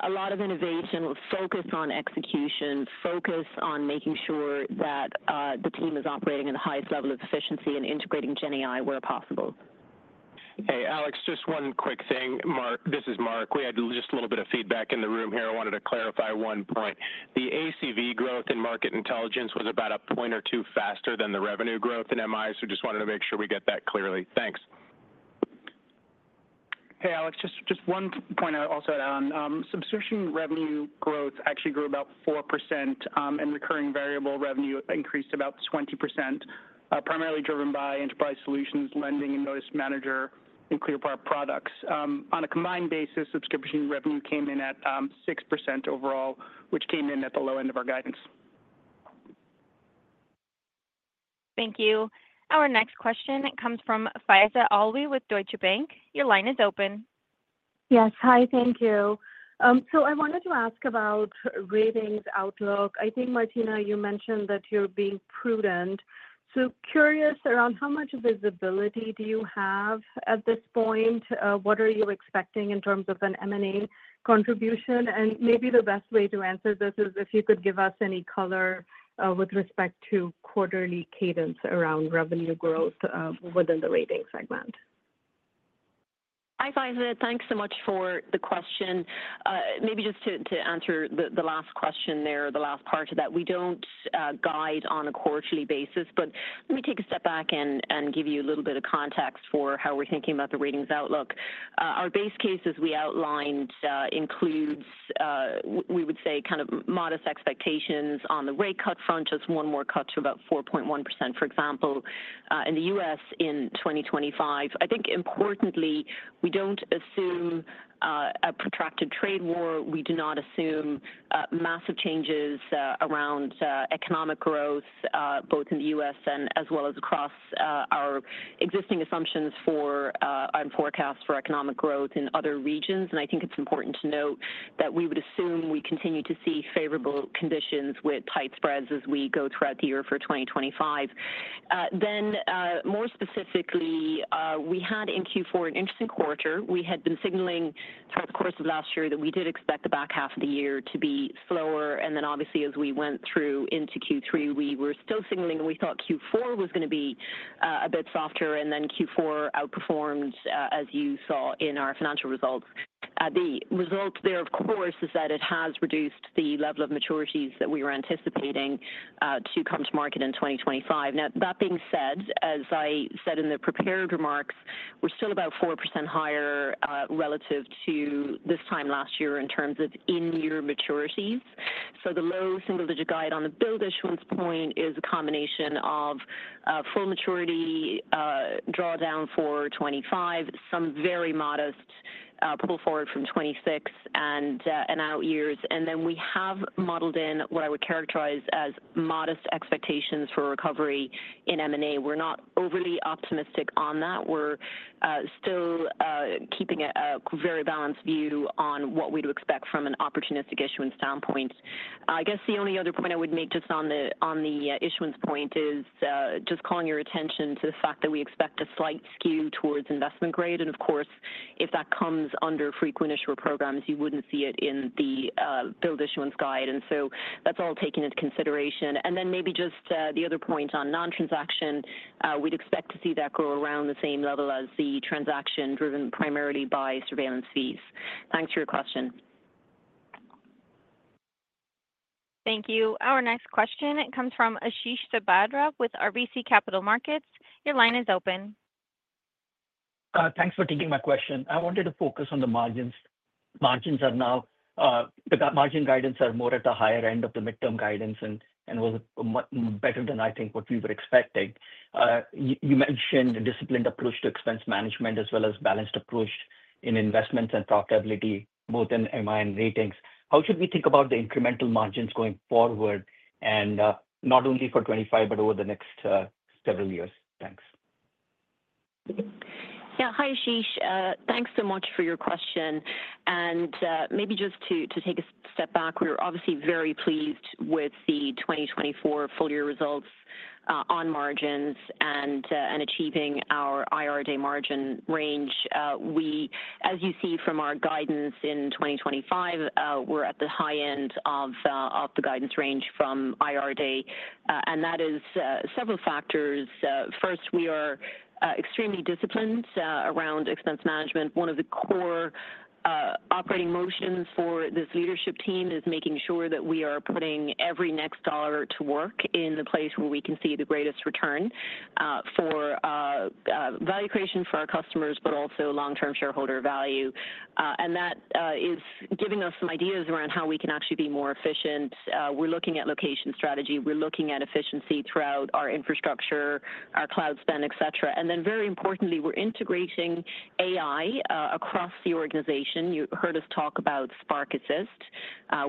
A lot of innovation, focus on execution, focus on making sure that the team is operating at the highest level of efficiency and integrating GenAI where possible. Okay, Alex, just one quick thing. This is Mark. We had just a little bit of feedback in the room here. I wanted to clarify one point. The ACV growth in Market Intelligence was about a point or two faster than the revenue growth in MI, so just wanted to make sure we get that clearly. Thanks. Hey, Alex, just one point I'll also add on. Subscription revenue growth actually grew about 4%, and recurring variable revenue increased about 20%, primarily driven by Enterprise Solutions, lending, and Notice Manager in ClearPar products. On a combined basis, subscription revenue came in at 6% overall, which came in at the low end of our guidance. Thank you. Our next question comes from Faiza Alwy with Deutsche Bank. Your line is open. Yes. Hi, thank you. So, I wanted to ask about ratings outlook. I think, Martina, you mentioned that you're being prudent. So, curious around how much visibility do you have at this point? What are you expecting in terms of an M&A contribution? And maybe the best way to answer this is if you could give us any color with respect to quarterly cadence around revenue growth within the Ratings segment. Hi, Faiza. Thanks so much for the question. Maybe just to answer the last question there, the last part of that, we don't guide on a quarterly basis, but let me take a step back and give you a little bit of context for how we're thinking about the Ratings outlook. Our base case as we outlined includes, we would say, kind of modest expectations on the rate cut front, just one more cut to about 4.1%, for example, in the U.S. in 2025. I think, importantly, we don't assume a protracted trade war. We do not assume massive changes around economic growth, both in the U.S. as well as across our existing assumptions for and forecasts for economic growth in other regions, and I think it's important to note that we would assume we continue to see favorable conditions with tight spreads as we go throughout the year for 2025. More specifically, we had in Q4 an interesting quarter. We had been signaling throughout the course of last year that we did expect the back half of the year to be slower. And then, obviously, as we went through into Q3, we were still signaling that we thought Q4 was going to be a bit softer, and then Q4 outperformed, as you saw in our financial results. The result there, of course, is that it has reduced the level of maturities that we were anticipating to come to market in 2025. Now, that being said, as I said in the prepared remarks, we're still about 4% higher relative to this time last year in terms of in-year maturities. The low single-digit guide on the billed issuance point is a combination of full maturity drawdown for 2025, some very modest pull forward from 2026 and out years. And then we have modeled in what I would characterize as modest expectations for recovery in M&A. We're not overly optimistic on that. We're still keeping a very balanced view on what we'd expect from an opportunistic issuance standpoint. I guess the only other point I would make just on the issuance point is just calling your attention to the fact that we expect a slight skew towards investment grade. And, of course, if that comes under frequent issuer programs, you wouldn't see it in the billed issuance guide. And so, that's all taken into consideration. And then maybe just the other point on non-transaction, we'd expect to see that grow around the same level as the transaction driven primarily by surveillance fees. Thanks for your question. Thank you. Our next question, it comes from Ashish Sabadra with RBC Capital Markets. Your line is open. Thanks for taking my question. I wanted to focus on the margins. Margins are now the margin guidance are more at the higher end of the midterm guidance and was better than, I think, what we were expecting. You mentioned a disciplined approach to expense management as well as a balanced approach in investments and profitability, both in MI and ratings. How should we think about the incremental margins going forward, and not only for 2025, but over the next several years? Thanks. Yeah. Hi, Ashish. Thanks so much for your question. And maybe just to take a step back, we're obviously very pleased with the 2024 full-year results on margins and achieving our IR Day margin range. We, as you see from our guidance in 2025, we're at the high end of the guidance range from IR Day. And that is several factors. First, we are extremely disciplined around expense management. One of the core operating motions for this leadership team is making sure that we are putting every next dollar to work in the place where we can see the greatest return for value creation for our customers, but also long-term shareholder value, and that is giving us some ideas around how we can actually be more efficient. We're looking at location strategy. We're looking at efficiency throughout our infrastructure, our cloud spend, etc. And then, very importantly, we're integrating AI across the organization. You heard us talk about Spark Assist.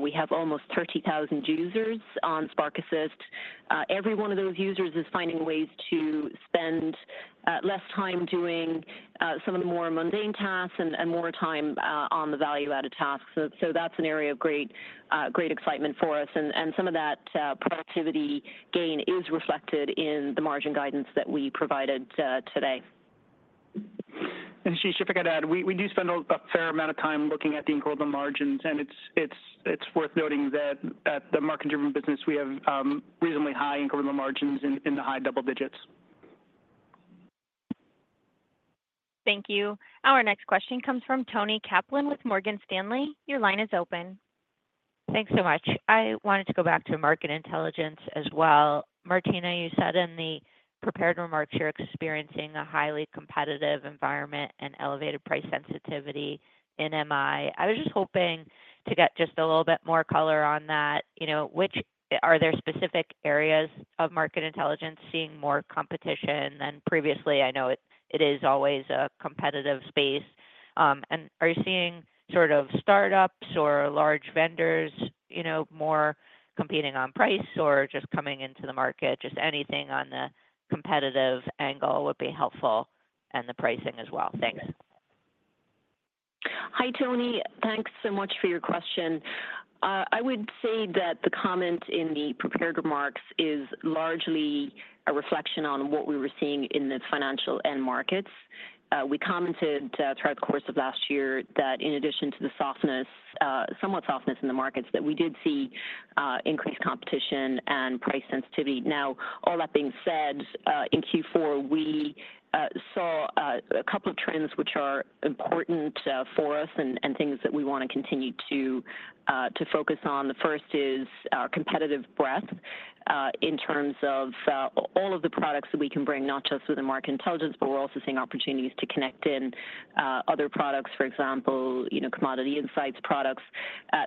We have almost 30,000 users on Spark Assist. Every one of those users is finding ways to spend less time doing some of the more mundane tasks and more time on the value-added tasks, so that's an area of great excitement for us, and some of that productivity gain is reflected in the margin guidance that we provided today. And Ashish, if I could add, we do spend a fair amount of time looking at the incremental margins. And it's worth noting that at the market-driven business, we have reasonably high incremental margins in the high double digits. Thank you. Our next question comes from Toni Kaplan with Morgan Stanley. Your line is open. Thanks so much. I wanted to go back to Market Intelligence as well. Martina, you said in the prepared remarks you're experiencing a highly competitive environment and elevated price sensitivity in MI. I was just hoping to get just a little bit more color on that. Are there specific areas of Market Intelligence seeing more competition than previously? I know it is always a competitive space. And are you seeing sort of startups or large vendors more competing on price or just coming into the market? Just anything on the competitive angle would be helpful and the pricing as well. Thanks. Hi, Toni. Thanks so much for your question. I would say that the comment in the prepared remarks is largely a reflection on what we were seeing in the financial and markets. We commented throughout the course of last year that in addition to the softness, somewhat softness in the markets, that we did see increased competition and price sensitivity. Now, all that being said, in Q4, we saw a couple of trends which are important for us and things that we want to continue to focus on. The first is our competitive breadth in terms of all of the products that we can bring, not just within Market Intelligence, but we're also seeing opportunities to connect in other products, for example, Commodity Insights products.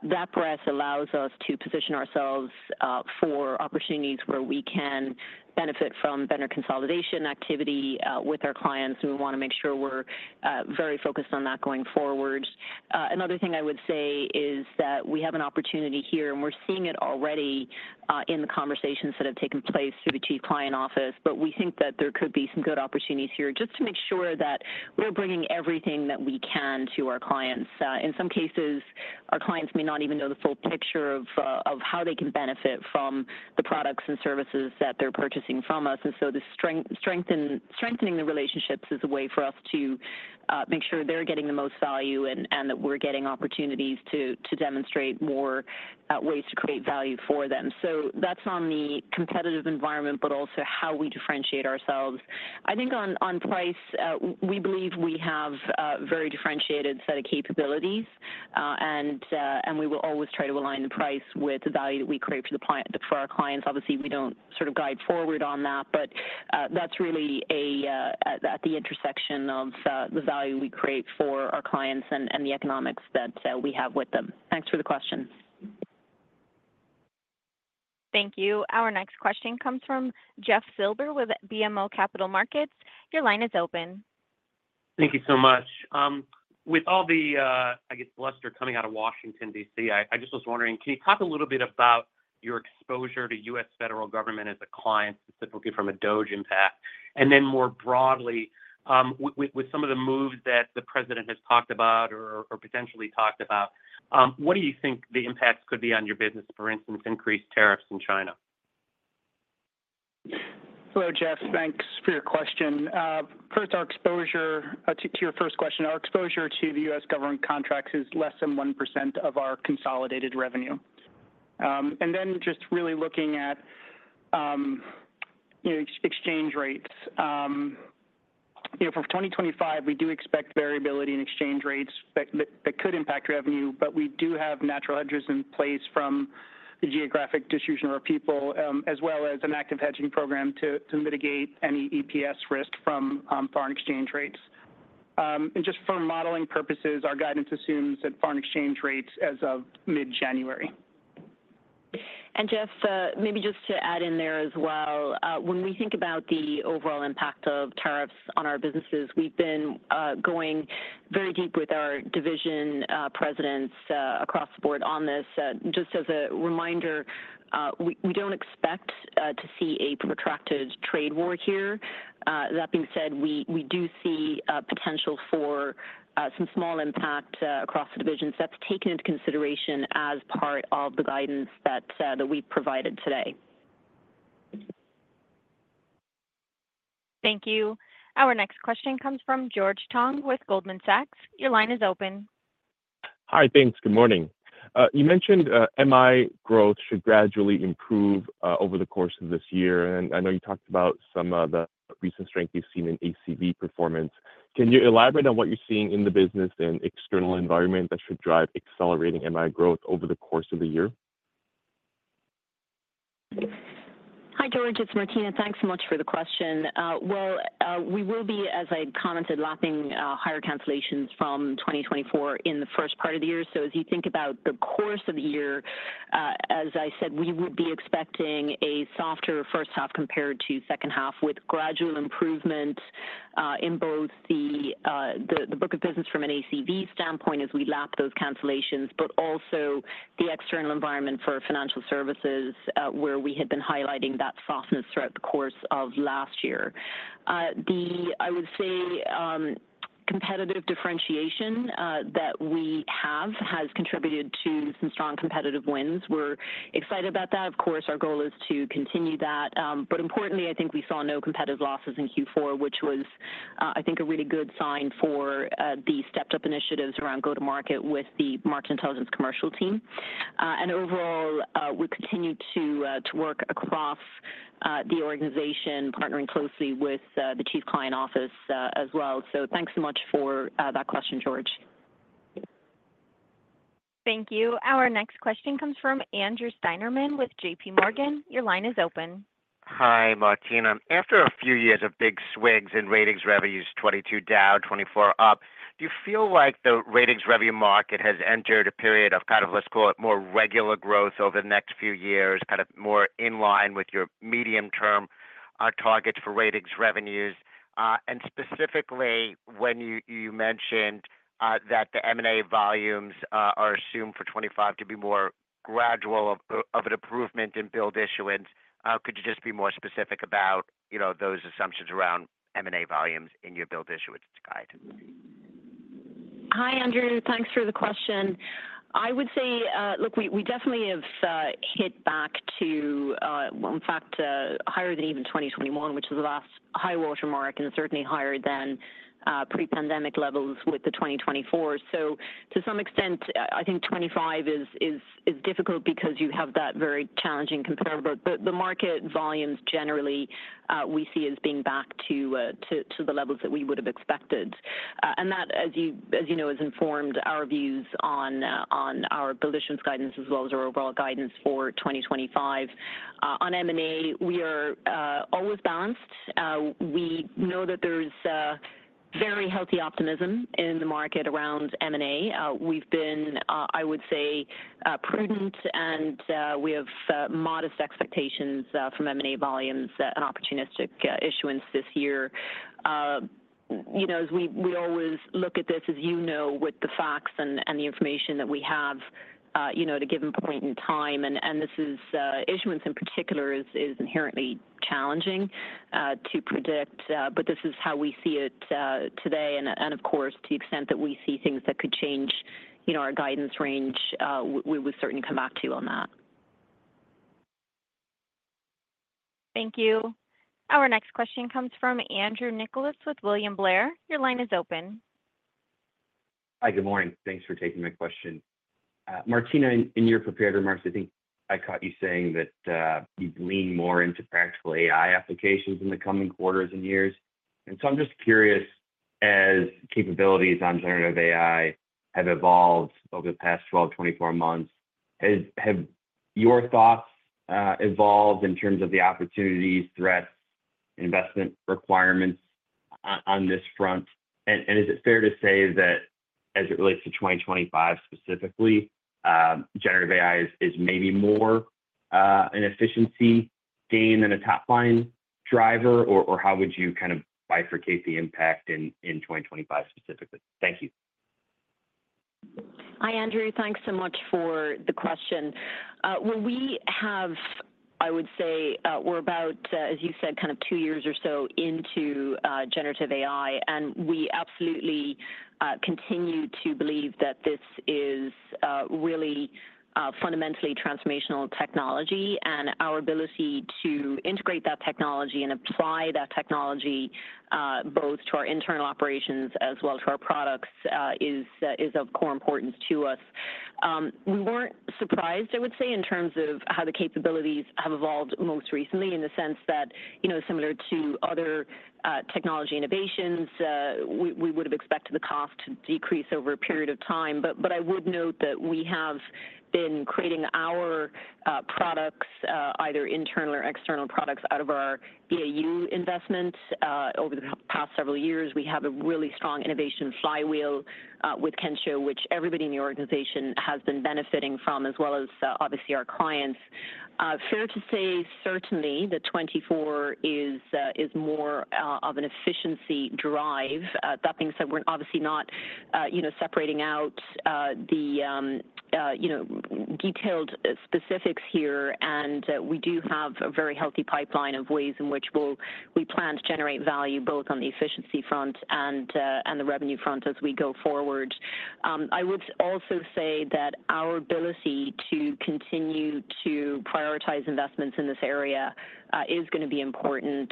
That breadth allows us to position ourselves for opportunities where we can benefit from vendor consolidation activity with our clients. We want to make sure we're very focused on that going forward. Another thing I would say is that we have an opportunity here, and we're seeing it already in the conversations that have taken place through the Chief Client Office, but we think that there could be some good opportunities here just to make sure that we're bringing everything that we can to our clients. In some cases, our clients may not even know the full picture of how they can benefit from the products and services that they're purchasing from us. And so, strengthening the relationships is a way for us to make sure they're getting the most value and that we're getting opportunities to demonstrate more ways to create value for them. So, that's on the competitive environment, but also how we differentiate ourselves. I think on price, we believe we have a very differentiated set of capabilities, and we will always try to align the price with the value that we create for our clients. Obviously, we don't sort of guide forward on that, but that's really at the intersection of the value we create for our clients and the economics that we have with them. Thanks for the question. Thank you. Our next question comes from Jeff Silber with BMO Capital Markets. Your line is open. Thank you so much. With all the, I guess, bluster coming out of Washington, D.C., I just was wondering, can you talk a little bit about your exposure to U.S. federal government as a client, specifically from a DOGE impact? And then more broadly, with some of the moves that the president has talked about or potentially talked about, what do you think the impacts could be on your business, for instance, increased tariffs in China? Hello, Jeff. Thanks for your question. First, our exposure to your first question, our exposure to the U.S. government contracts is less than 1% of our consolidated revenue. Then just really looking at exchange rates. For 2025, we do expect variability in exchange rates that could impact revenue, but we do have natural hedges in place from the geographic distribution of our people, as well as an active hedging program to mitigate any EPS risk from foreign exchange rates. Just for modeling purposes, our guidance assumes that foreign exchange rates as of mid-January. And Jeff, maybe just to add in there as well, when we think about the overall impact of tariffs on our businesses, we've been going very deep with our division presidents across the board on this. Just as a reminder, we don't expect to see a protracted trade war here. That being said, we do see potential for some small impact across the divisions. That's taken into consideration as part of the guidance that we've provided today. Thank you. Our next question comes from George Tong with Goldman Sachs. Your line is open. Hi, thanks. Good morning. You mentioned MI growth should gradually improve over the course of this year. And I know you talked about some of the recent strength you've seen in ACV performance. Can you elaborate on what you're seeing in the business and external environment that should drive accelerating MI growth over the course of the year? Hi, George. It's Martina. Thanks so much for the question. We will be, as I commented, lapping higher cancellations from 2024 in the first part of the year. As you think about the course of the year, as I said, we would be expecting a softer first half compared to second half with gradual improvement in both the book of business from an ACV standpoint as we lap those cancellations, but also the external environment for financial services where we had been highlighting that softness throughout the course of last year. I would say competitive differentiation that we have has contributed to some strong competitive wins. We're excited about that. Of course, our goal is to continue that. But importantly, I think we saw no competitive losses in Q4, which was, I think, a really good sign for the stepped-up initiatives around go-to-market with the Market Intelligence commercial team. And overall, we continue to work across the organization, partnering closely with the Chief Client Office as well. So, thanks so much for that question, George. Thank you. Our next question comes from Andrew Steinerman with J.P. Morgan. Your line is open. Hi, Martina. After a few years of big swings in Ratings revenues, 2022 down, 2024 up, do you feel like the Ratings revenue market has entered a period of kind of, let's call it, more regular growth over the next few years, kind of more in line with your medium-term targets for Ratings revenues? Specifically, when you mentioned that the M&A volumes are assumed for 2025 to be more gradual of an improvement in billed issuance, could you just be more specific about those assumptions around M&A volumes in your billed issuance guide? Hi, Andrew. Thanks for the question. I would say, look, we definitely have hit back to, in fact, higher than even 2021, which was the last high watermark, and certainly higher than pre-pandemic levels with the 2024. So, to some extent, I think 2025 is difficult because you have that very challenging comparable. But the market volumes generally we see as being back to the levels that we would have expected. And that, as you know, has informed our views on our billed issuance guidance as well as our overall guidance for 2025. On M&A, we are always balanced. We know that there's very healthy optimism in the market around M&A. We've been, I would say, prudent, and we have modest expectations from M&A volumes and opportunistic issuance this year. As we always look at this, as you know, with the facts and the information that we have at a given point in time, and this issuance in particular is inherently challenging to predict, but this is how we see it today, and of course, to the extent that we see things that could change our guidance range, we would certainly come back to you on that. Thank you. Our next question comes from Andrew Nicholas with William Blair. Your line is open. Hi, good morning. Thanks for taking my question. Martina, in your prepared remarks, I think I caught you saying that you'd lean more into practical AI applications in the coming quarters and years. I'm just curious, as capabilities on generative AI have evolved over the past 12, 24 months, have your thoughts evolved in terms of the opportunities, threats, investment requirements on this front? Is it fair to say that as it relates to 2025 specifically, Generative AI is maybe more an efficiency gain than a top-line driver, or how would you kind of bifurcate the impact in 2025 specifically? Thank you. Hi, Andrew. Thanks so much for the question. We have, I would say, we're about, as you said, kind of two years or so into Generative AI. We absolutely continue to believe that this is really fundamentally transformational technology. Our ability to integrate that technology and apply that technology both to our internal operations as well as to our products is of core importance to us. We weren't surprised, I would say, in terms of how the capabilities have evolved most recently in the sense that, similar to other technology innovations, we would have expected the cost to decrease over a period of time, but I would note that we have been creating our products, either internal or external products, out of our AI investment over the past several years. We have a really strong innovation flywheel with Kensho, which everybody in the organization has been benefiting from, as well as obviously our clients. Fair to say, certainly, that 2024 is more of an efficiency drive. That being said, we're obviously not separating out the detailed specifics here, and we do have a very healthy pipeline of ways in which we plan to generate value both on the efficiency front and the revenue front as we go forward. I would also say that our ability to continue to prioritize investments in this area is going to be important.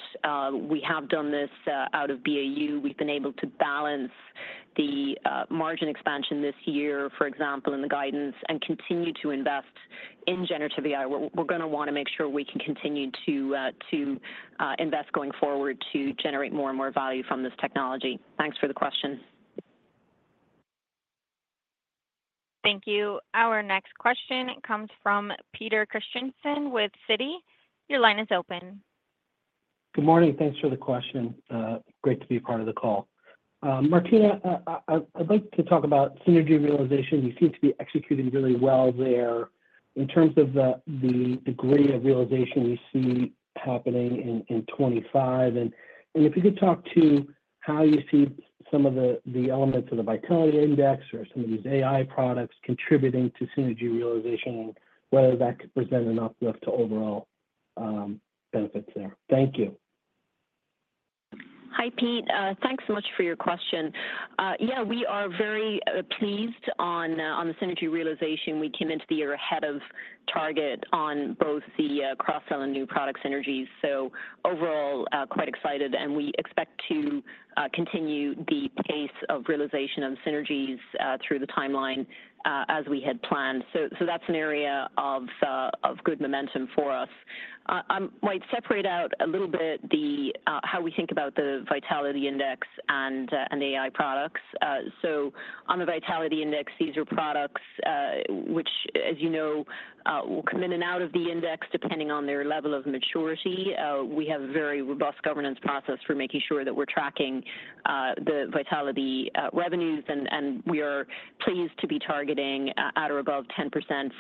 We have done this out of BAU. We've been able to balance the margin expansion this year, for example, in the guidance and continue to invest in Generative AI. We're going to want to make sure we can continue to invest going forward to generate more and more value from this technology. Thanks for the question. Thank you. Our next question comes from Peter Christiansen with Citi. Your line is open. Good morning. Thanks for the question. Great to be part of the call. Martina, I'd like to talk about synergy realization. You seem to be executing really well there in terms of the degree of realization you see happening in 2025. And if you could talk to how you see some of the elements of the Vitality Index or some of these AI products contributing to synergy realization, whether that could present an uplift to overall benefits there? Thank you. Hi, Pete. Thanks so much for your question. Yeah, we are very pleased on the synergy realization. We came into the year ahead of target on both the cross-sell and new product synergies. So overall, quite excited. And we expect to continue the pace of realization of synergies through the timeline as we had planned. So that's an area of good momentum for us. I might separate out a little bit how we think about the Vitality Index and AI products. So on the Vitality Index, these are products which, as you know, will come in and out of the index depending on their level of maturity. We have a very robust governance process for making sure that we're tracking the Vitality revenues. We are pleased to be targeting at or above 10%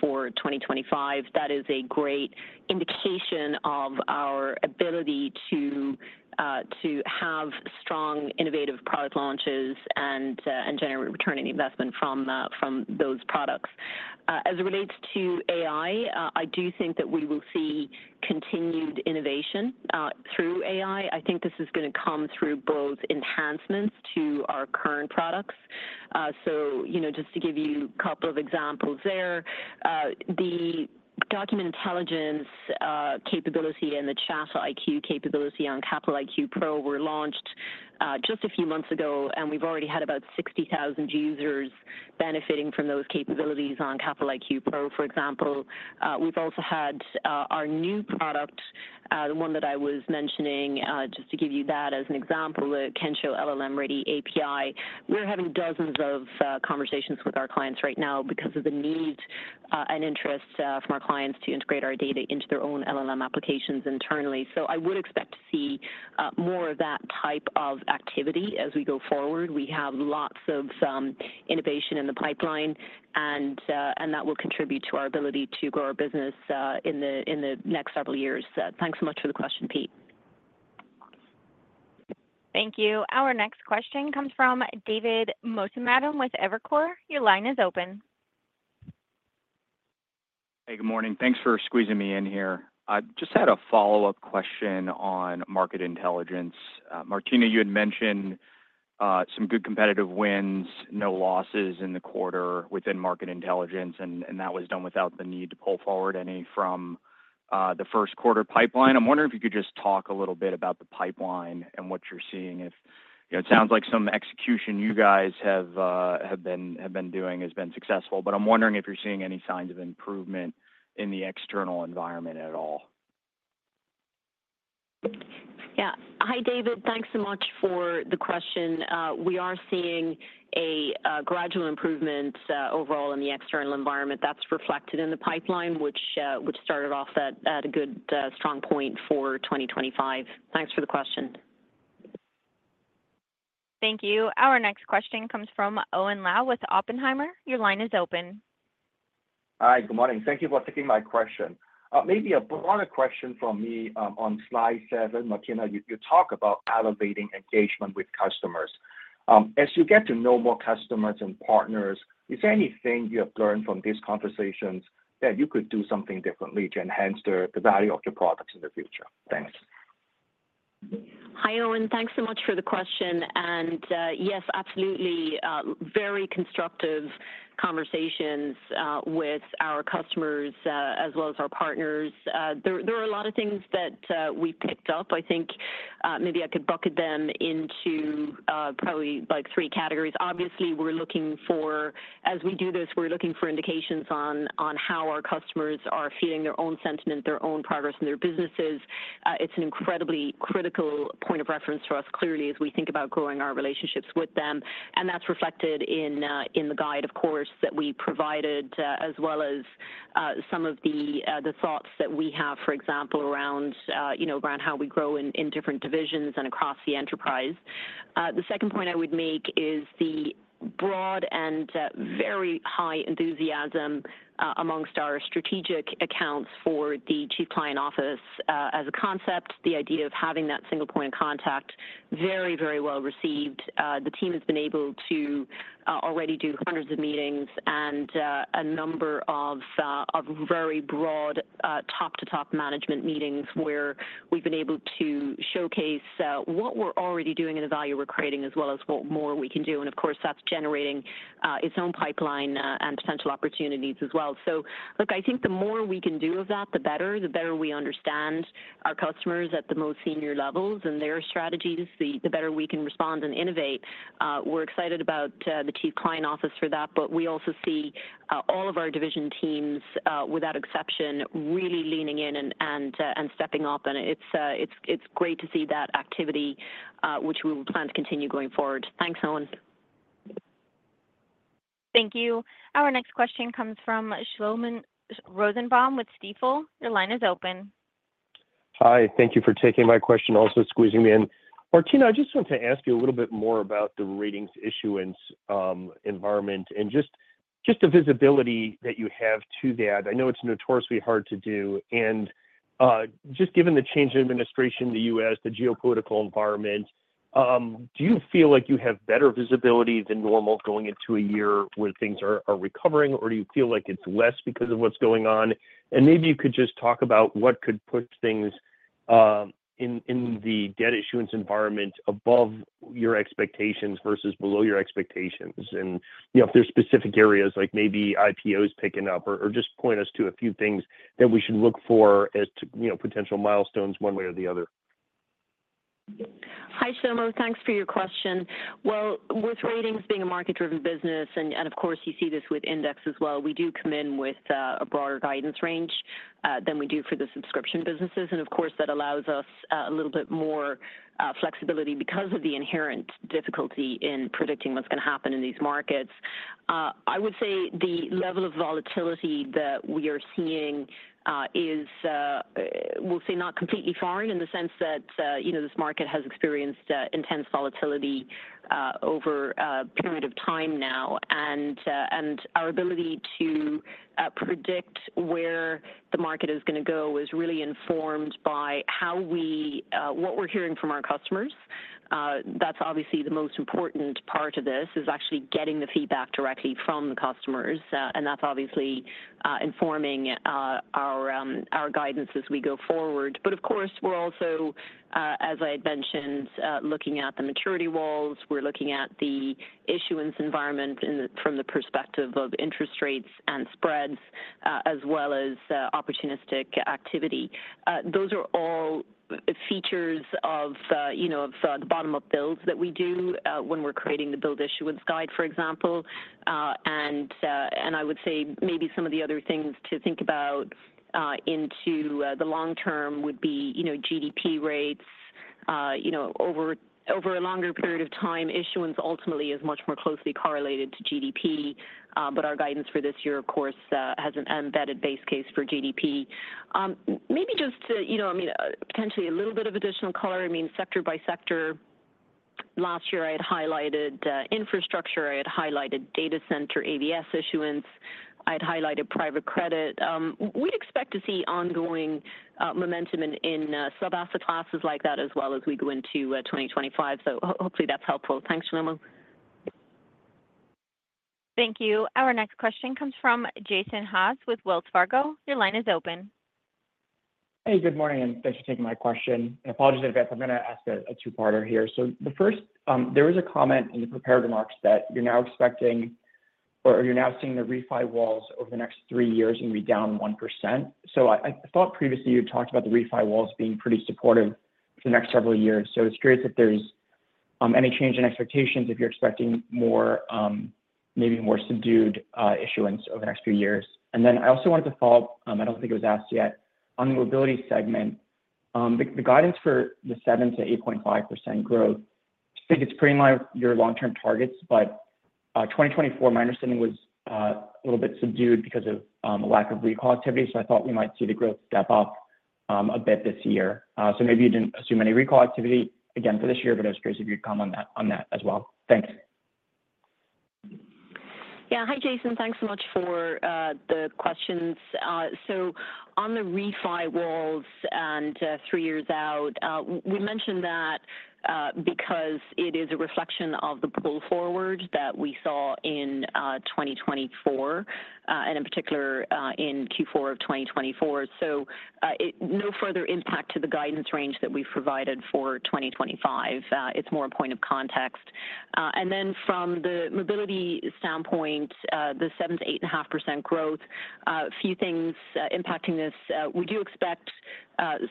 for 2025. That is a great indication of our ability to have strong innovative product launches and generate return on investment from those products. As it relates to AI, I do think that we will see continued innovation through AI. I think this is going to come through both enhancements to our current products. So just to give you a couple of examples there, the Document Intelligence capability and the ChatIQ capability on Capital IQ Pro were launched just a few months ago. We've already had about 60,000 users benefiting from those capabilities on Capital IQ Pro, for example. We've also had our new product, the one that I was mentioning, just to give you that as an example, the Kensho LLM-ready API. We're having dozens of conversations with our clients right now because of the need and interest from our clients to integrate our data into their own LLM applications internally. So I would expect to see more of that type of activity as we go forward. We have lots of innovation in the pipeline, and that will contribute to our ability to grow our business in the next several years. Thanks so much for the question, Pete. Thank you. Our next question comes from David Motemaden with Evercore. Your line is open. Hey, good morning. Thanks for squeezing me in here. I just had a follow-up question on Market Intelligence. Martina, you had mentioned some good competitive wins, no losses in the quarter within Market Intelligence, and that was done without the need to pull forward any from the first quarter pipeline. I'm wondering if you could just talk a little bit about the pipeline and what you're seeing. It sounds like some execution you guys have been doing has been successful. But I'm wondering if you're seeing any signs of improvement in the external environment at all. Yeah. Hi, David. Thanks so much for the question. We are seeing a gradual improvement overall in the external environment. That's reflected in the pipeline, which started off at a good strong point for 2025. Thanks for the question. Thank you. Our next question comes from Owen Lau with Oppenheimer. Your line is open. Hi, good morning. Thank you for taking my question. Maybe a broader question from me on Slide 7. Martina, you talk about elevating engagement with customers. As you get to know more customers and partners, is there anything you have learned from these conversations that you could do something differently to enhance the value of your products in the future? Thanks. Hi, Owen. Thanks so much for the question, and yes, absolutely, very constructive conversations with our customers as well as our partners. There are a lot of things that we picked up. I think maybe I could bucket them into probably three categories. Obviously, as we do this, we're looking for indications on how our customers are feeling their own sentiment, their own progress in their businesses. It's an incredibly critical point of reference for us clearly as we think about growing our relationships with them. That's reflected in the guide, of course, that we provided, as well as some of the thoughts that we have, for example, around how we grow in different divisions and across the enterprise. The second point I would make is the broad and very high enthusiasm amongst our strategic accounts for the Chief Client Office as a concept. The idea of having that single point of contact, very, very well received. The team has been able to already do hundreds of meetings and a number of very broad top-to-top management meetings where we've been able to showcase what we're already doing and the value we're creating as well as what more we can do. And of course, that's generating its own pipeline and potential opportunities as well. Look, I think the more we can do of that, the better. The better we understand our customers at the most senior levels and their strategies, the better we can respond and innovate. We're excited about the Chief Client Office for that. But we also see all of our division teams without exception really leaning in and stepping up. And it's great to see that activity, which we will plan to continue going forward. Thanks, Owen. Thank you. Our next question comes from Shlomo Rosenbaum with Stifel. Your line is open. Hi, thank you for taking my question, also squeezing me in. Martina, I just want to ask you a little bit more about the Ratings issuance environment and just the visibility that you have to that. I know it's notoriously hard to do. Just given the change in administration, the U.S., the geopolitical environment, do you feel like you have better visibility than normal going into a year where things are recovering, or do you feel like it's less because of what's going on? And maybe you could just talk about what could push things in the debt issuance environment above your expectations versus below your expectations. And if there's specific areas like maybe IPOs picking up, or just point us to a few things that we should look for as potential milestones one way or the other. Hi, Shlomo. Thanks for your question. Well, with Ratings being a market-driven business, and of course, you see this with Index as well, we do come in with a broader guidance range than we do for the subscription businesses. Of course, that allows us a little bit more flexibility because of the inherent difficulty in predicting what's going to happen in these markets. I would say the level of volatility that we are seeing is, we'll say, not completely foreign in the sense that this market has experienced intense volatility over a period of time now. And our ability to predict where the market is going to go is really informed by what we're hearing from our customers. That's obviously the most important part of this, is actually getting the feedback directly from the customers. And that's obviously informing our guidance as we go forward. But of course, we're also, as I had mentioned, looking at the maturity walls. We're looking at the issuance environment from the perspective of interest rates and spreads, as well as opportunistic activity. Those are all features of the bottom-up builds that we do when we're creating the billed issuance guide, for example, and I would say maybe some of the other things to think about into the long term would be GDP rates over a longer period of time. Issuance ultimately is much more closely correlated to GDP. But our guidance for this year, of course, has an embedded base case for GDP. Maybe just, I mean, potentially a little bit of additional color. I mean, sector by sector, last year I had highlighted infrastructure. I had highlighted data center ABS issuance. I had highlighted private credit. We'd expect to see ongoing momentum in sub-asset classes like that as well as we go into 2025. So hopefully that's helpful. Thanks, Shlomo. Thank you. Our next question comes from Jason Haas with Wells Fargo. Your line is open. Hey, good morning. Thanks for taking my question. Apologies in advance. I'm going to ask a two-parter here. So the first, there was a comment in the prepared remarks that you're now expecting or you're now seeing the refi walls over the next three years and be down 1%. So I thought previously you had talked about the refi walls being pretty supportive for the next several years. So I was curious if there's any change in expectations, if you're expecting maybe more subdued issuance over the next few years. And then I also wanted to follow up, I don't think it was asked yet, on the Mobility segment. The guidance for the 7%-8.5% growth, I think it's pretty in line with your long-term targets. But 2024, my understanding was a little bit subdued because of a lack of recall activity. So I thought we might see the growth step up a bit this year. So maybe you didn't assume any recall activity again for this year, but I was curious if you'd comment on that as well. Thanks. Yeah. Hi, Jason. Thanks so much for the questions. So on the refi walls and three years out, we mentioned that because it is a reflection of the pull forward that we saw in 2024, and in particular in Q4 of 2024. So no further impact to the guidance range that we've provided for 2025. It's more a point of context. And then from the Mobility standpoint, the 7%-8.5% growth, a few things impacting this. We do expect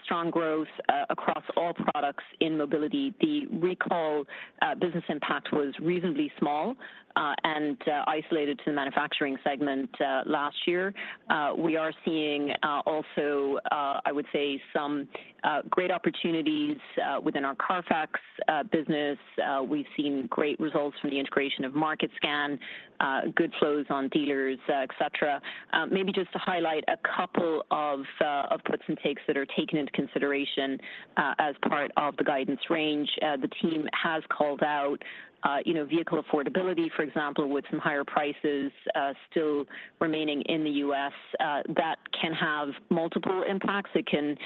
strong growth across all products in Mobility. The recall business impact was reasonably small and isolated to the manufacturing segment last year. We are seeing also, I would say, some great opportunities within our CARFAX business. We've seen great results from the integration of Market Scan, good flows on dealers, etc. Maybe just to highlight a couple of puts and takes that are taken into consideration as part of the guidance range. The team has called out vehicle affordability, for example, with some higher prices still remaining in the U.S. That can have multiple impacts. It can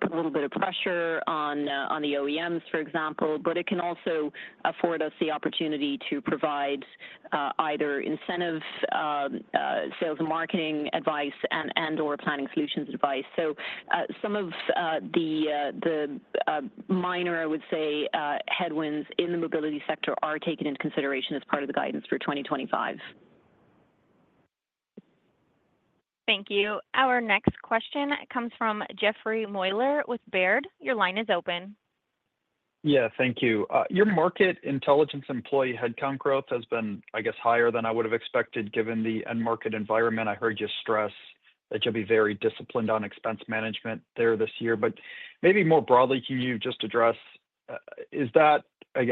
put a little bit of pressure on the OEMs, for example. But it can also afford us the opportunity to provide either incentive sales and marketing advice and/or planning solutions advice. So some of the minor, I would say, headwinds in the Mobility sector are taken into consideration as part of the guidance for 2025. Thank you. Our next question comes from Jeff Meuler with Baird. Your line is open. Yeah, thank you. Your Market Intelligence employee headcount growth has been, I guess, higher than I would have expected given the end market environment. I heard you stress that you'll be very disciplined on expense management there this year. But maybe more broadly, can you just address, is that, I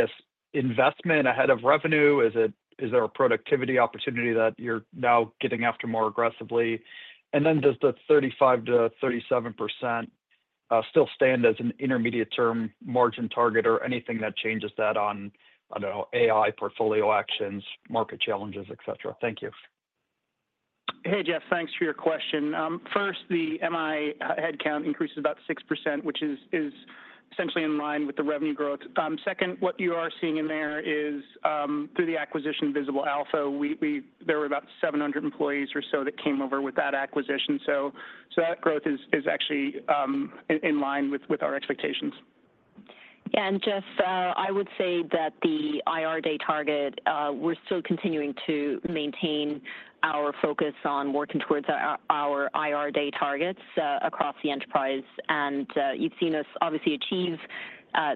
guess, investment ahead of revenue? Is there a productivity opportunity that you're now getting after more aggressively? And then does the 35%-37% still stand as an intermediate-term margin target or anything that changes that on, I don't know, AI portfolio actions, market challenges, etc.? Thank you. Hey, Jeff, thanks for your question. First, the MI headcount increases about 6%, which is essentially in line with the revenue growth. Second, what you are seeing in there is through the acquisition Visible Alpha, there were about 700 employees or so that came over with that acquisition. So that growth is actually in line with our expectations. Yeah. And Jeff, I would say that the IR Day target, we're still continuing to maintain our focus on working towards our IR Day targets across the enterprise. And you've seen us obviously achieve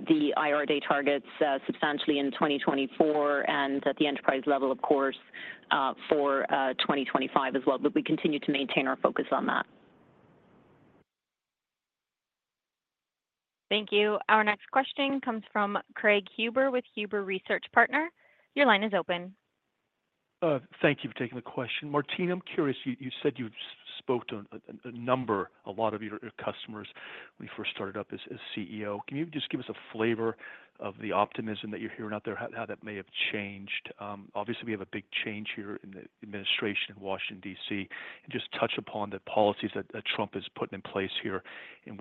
the IR Day targets substantially in 2024 and at the enterprise level, of course, for 2025 as well. But we continue to maintain our focus on that. Thank you. Our next question comes from Craig Huber with Huber Research Partners. Your line is open. Thank you for taking the question. Martina, I'm curious. You said you spoke to a number, a lot of your customers when you first started up as CEO. Can you just give us a flavor of the optimism that you're hearing out there, how that may have changed? Obviously, we have a big change here in the administration in Washington, D.C., and just touch upon the policies that Trump is putting in place here and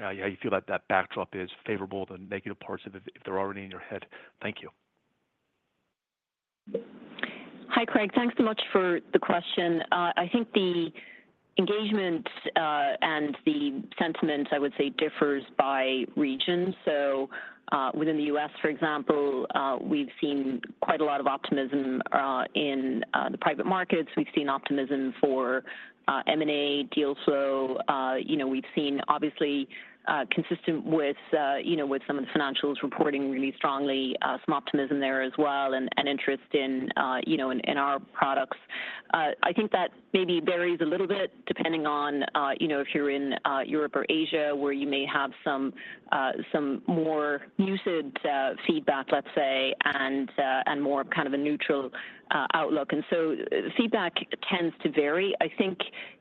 how you feel that that backdrop is favorable or negative impacts if they're already in your head? Thank you. Hi, Craig. Thanks so much for the question. I think the engagement and the sentiment, I would say, differs by region. So within the U.S., for example, we've seen quite a lot of optimism in the private markets. We've seen optimism for M&A, deal flow. We've seen, obviously, consistent with some of the financials reporting really strongly, some optimism there as well and interest in our products. I think that maybe varies a little bit depending on if you're in Europe or Asia where you may have some more muted feedback, let's say, and more kind of a neutral outlook. And so feedback tends to vary. I think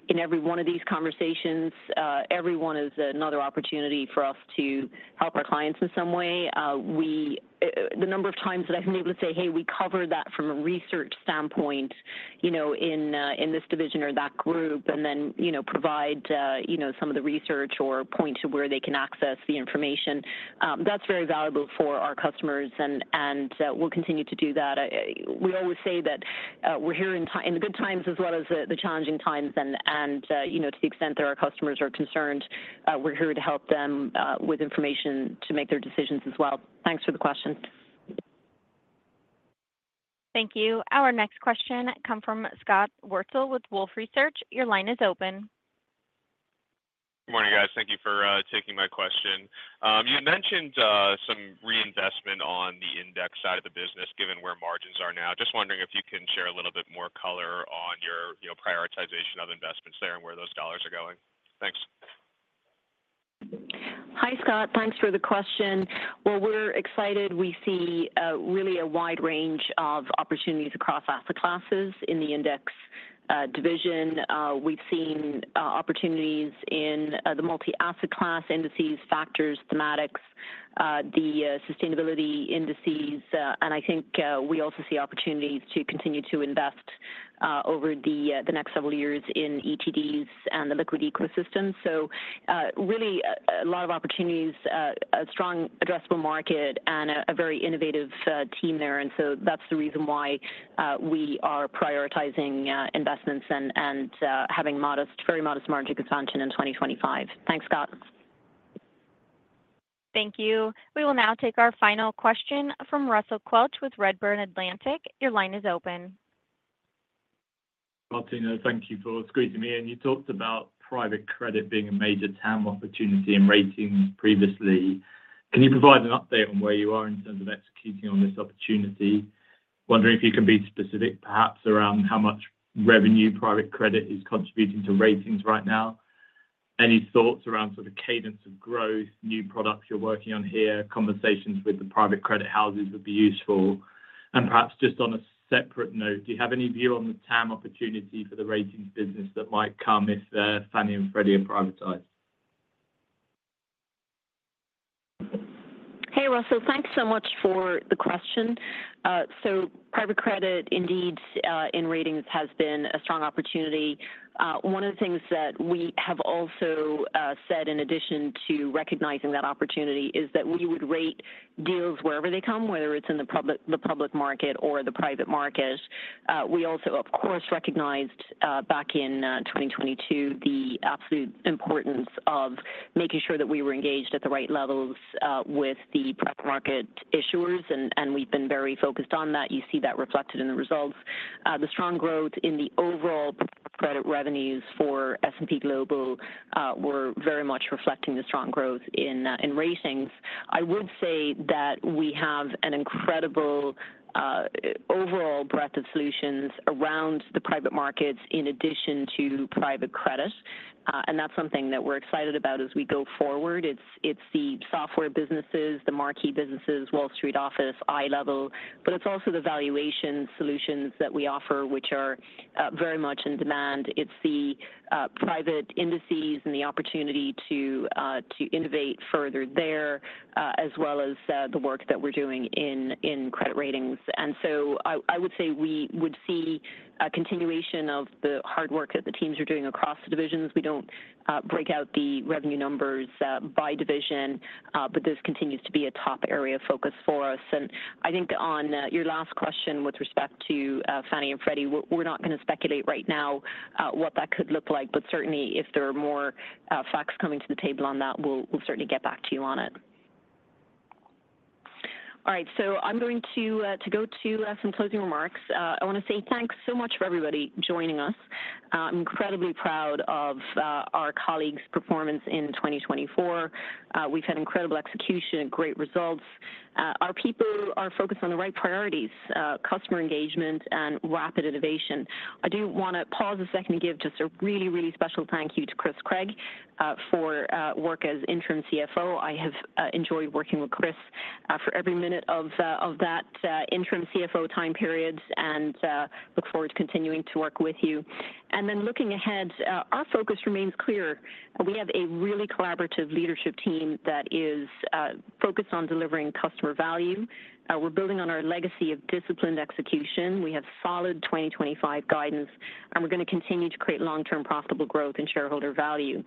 in every one of these conversations, every one is another opportunity for us to help our clients in some way. The number of times that I've been able to say, "Hey, we cover that from a research standpoint in this division or that group," and then provide some of the research or point to where they can access the information, that's very valuable for our customers. And we'll continue to do that. We always say that we're here in the good times as well as the challenging times. And to the extent that our customers are concerned, we're here to help them with information to make their decisions as well. Thanks for the question. Thank you. Our next question comes from Scott Wurtzel with Wolfe Research. Your line is open. Good morning, guys. Thank you for taking my question. You had mentioned some reinvestment on the index side of the business given where margins are now. Just wondering if you can share a little bit more color on your prioritization of investments there and where those dollars are going. Thanks. Hi, Scott. Thanks for the question. Well, we're excited. We see really a wide range of opportunities across asset classes in the Index division. We've seen opportunities in the Multi-Asset Class Indices, Factors, Thematics, the Sustainability Indices. And I think we also see opportunities to continue to invest over the next several years in ETDs and the liquid ecosystem. So really a lot of opportunities, a strong addressable market, and a very innovative team there. And so that's the reason why we are prioritizing investments and having very modest margin expansion in 2025. Thanks, Scott. Thank you. We will now take our final question from Russell Quelch with Redburn Atlantic. Your line is open. Martina, thank you for squeezing me in. You talked about private credit being a major TAM opportunity in Ratings previously. Can you provide an update on where you are in terms of executing on this opportunity? Wondering if you can be specific perhaps around how much revenue private credit is contributing to Ratings right now. Any thoughts around sort of cadence of growth, new products you're working on here, conversations with the private credit houses would be useful. And perhaps just on a separate note, do you have any view on the TAM opportunity for the Ratings business that might come if Fannie and Freddie are privatized? Hey, Russell, thanks so much for the question. So private credit indeed in Ratings has been a strong opportunity. One of the things that we have also said in addition to recognizing that opportunity is that we would rate deals wherever they come, whether it's in the public market or the private market. We also, of course, recognized back in 2022 the absolute importance of making sure that we were engaged at the right levels with the private market issuers. And we've been very focused on that. You see that reflected in the results. The strong growth in the overall private credit revenues for S&P Global were very much reflecting the strong growth in Ratings. I would say that we have an incredible overall breadth of solutions around the private markets in addition to private credit. And that's something that we're excited about as we go forward. It's the software businesses, the marquee businesses, Wall Street Office, iLEVEL. But it's also the valuation solutions that we offer, which are very much in demand. It's the private Indices and the opportunity to innovate further there, as well as the work that we're doing in credit Ratings. And so I would say we would see a continuation of the hard work that the teams are doing across the divisions. We don't break out the revenue numbers by division, but this continues to be a top area of focus for us. And I think on your last question with respect to Fannie and Freddie, we're not going to speculate right now what that could look like. But certainly, if there are more facts coming to the table on that, we'll certainly get back to you on it. All right. So I'm going to go to some closing remarks. I want to say thanks so much for everybody joining us. I'm incredibly proud of our colleagues' performance in 2024. We've had incredible execution and great results. Our people are focused on the right priorities, customer engagement, and rapid innovation. I do want to pause a second and give just a really, really special thank you to Chris Craig for work as Interim CFO. I have enjoyed working with Chris for every minute of that interim CFO time period and look forward to continuing to work with you, and then looking ahead, our focus remains clear. We have a really collaborative leadership team that is focused on delivering customer value. We're building on our legacy of disciplined execution. We have solid 2025 guidance, and we're going to continue to create long-term profitable growth and shareholder value,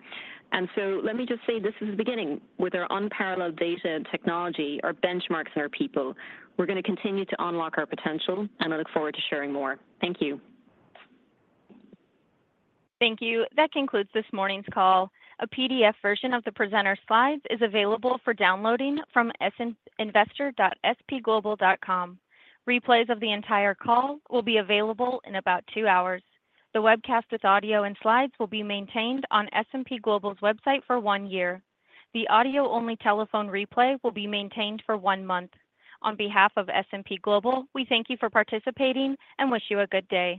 and so let me just say this is the beginning with our unparalleled data and technology, our benchmarks, and our people. We're going to continue to unlock our potential, and I look forward to sharing more. Thank you. Thank you. That concludes this morning's call. A PDF version of the presenter slides is available for downloading from investor.spglobal.com. Replays of the entire call will be available in about two hours. The webcast with audio and slides will be maintained on S&P Global's website for one year. The audio-only telephone replay will be maintained for one month. On behalf of S&P Global, we thank you for participating and wish you a good day.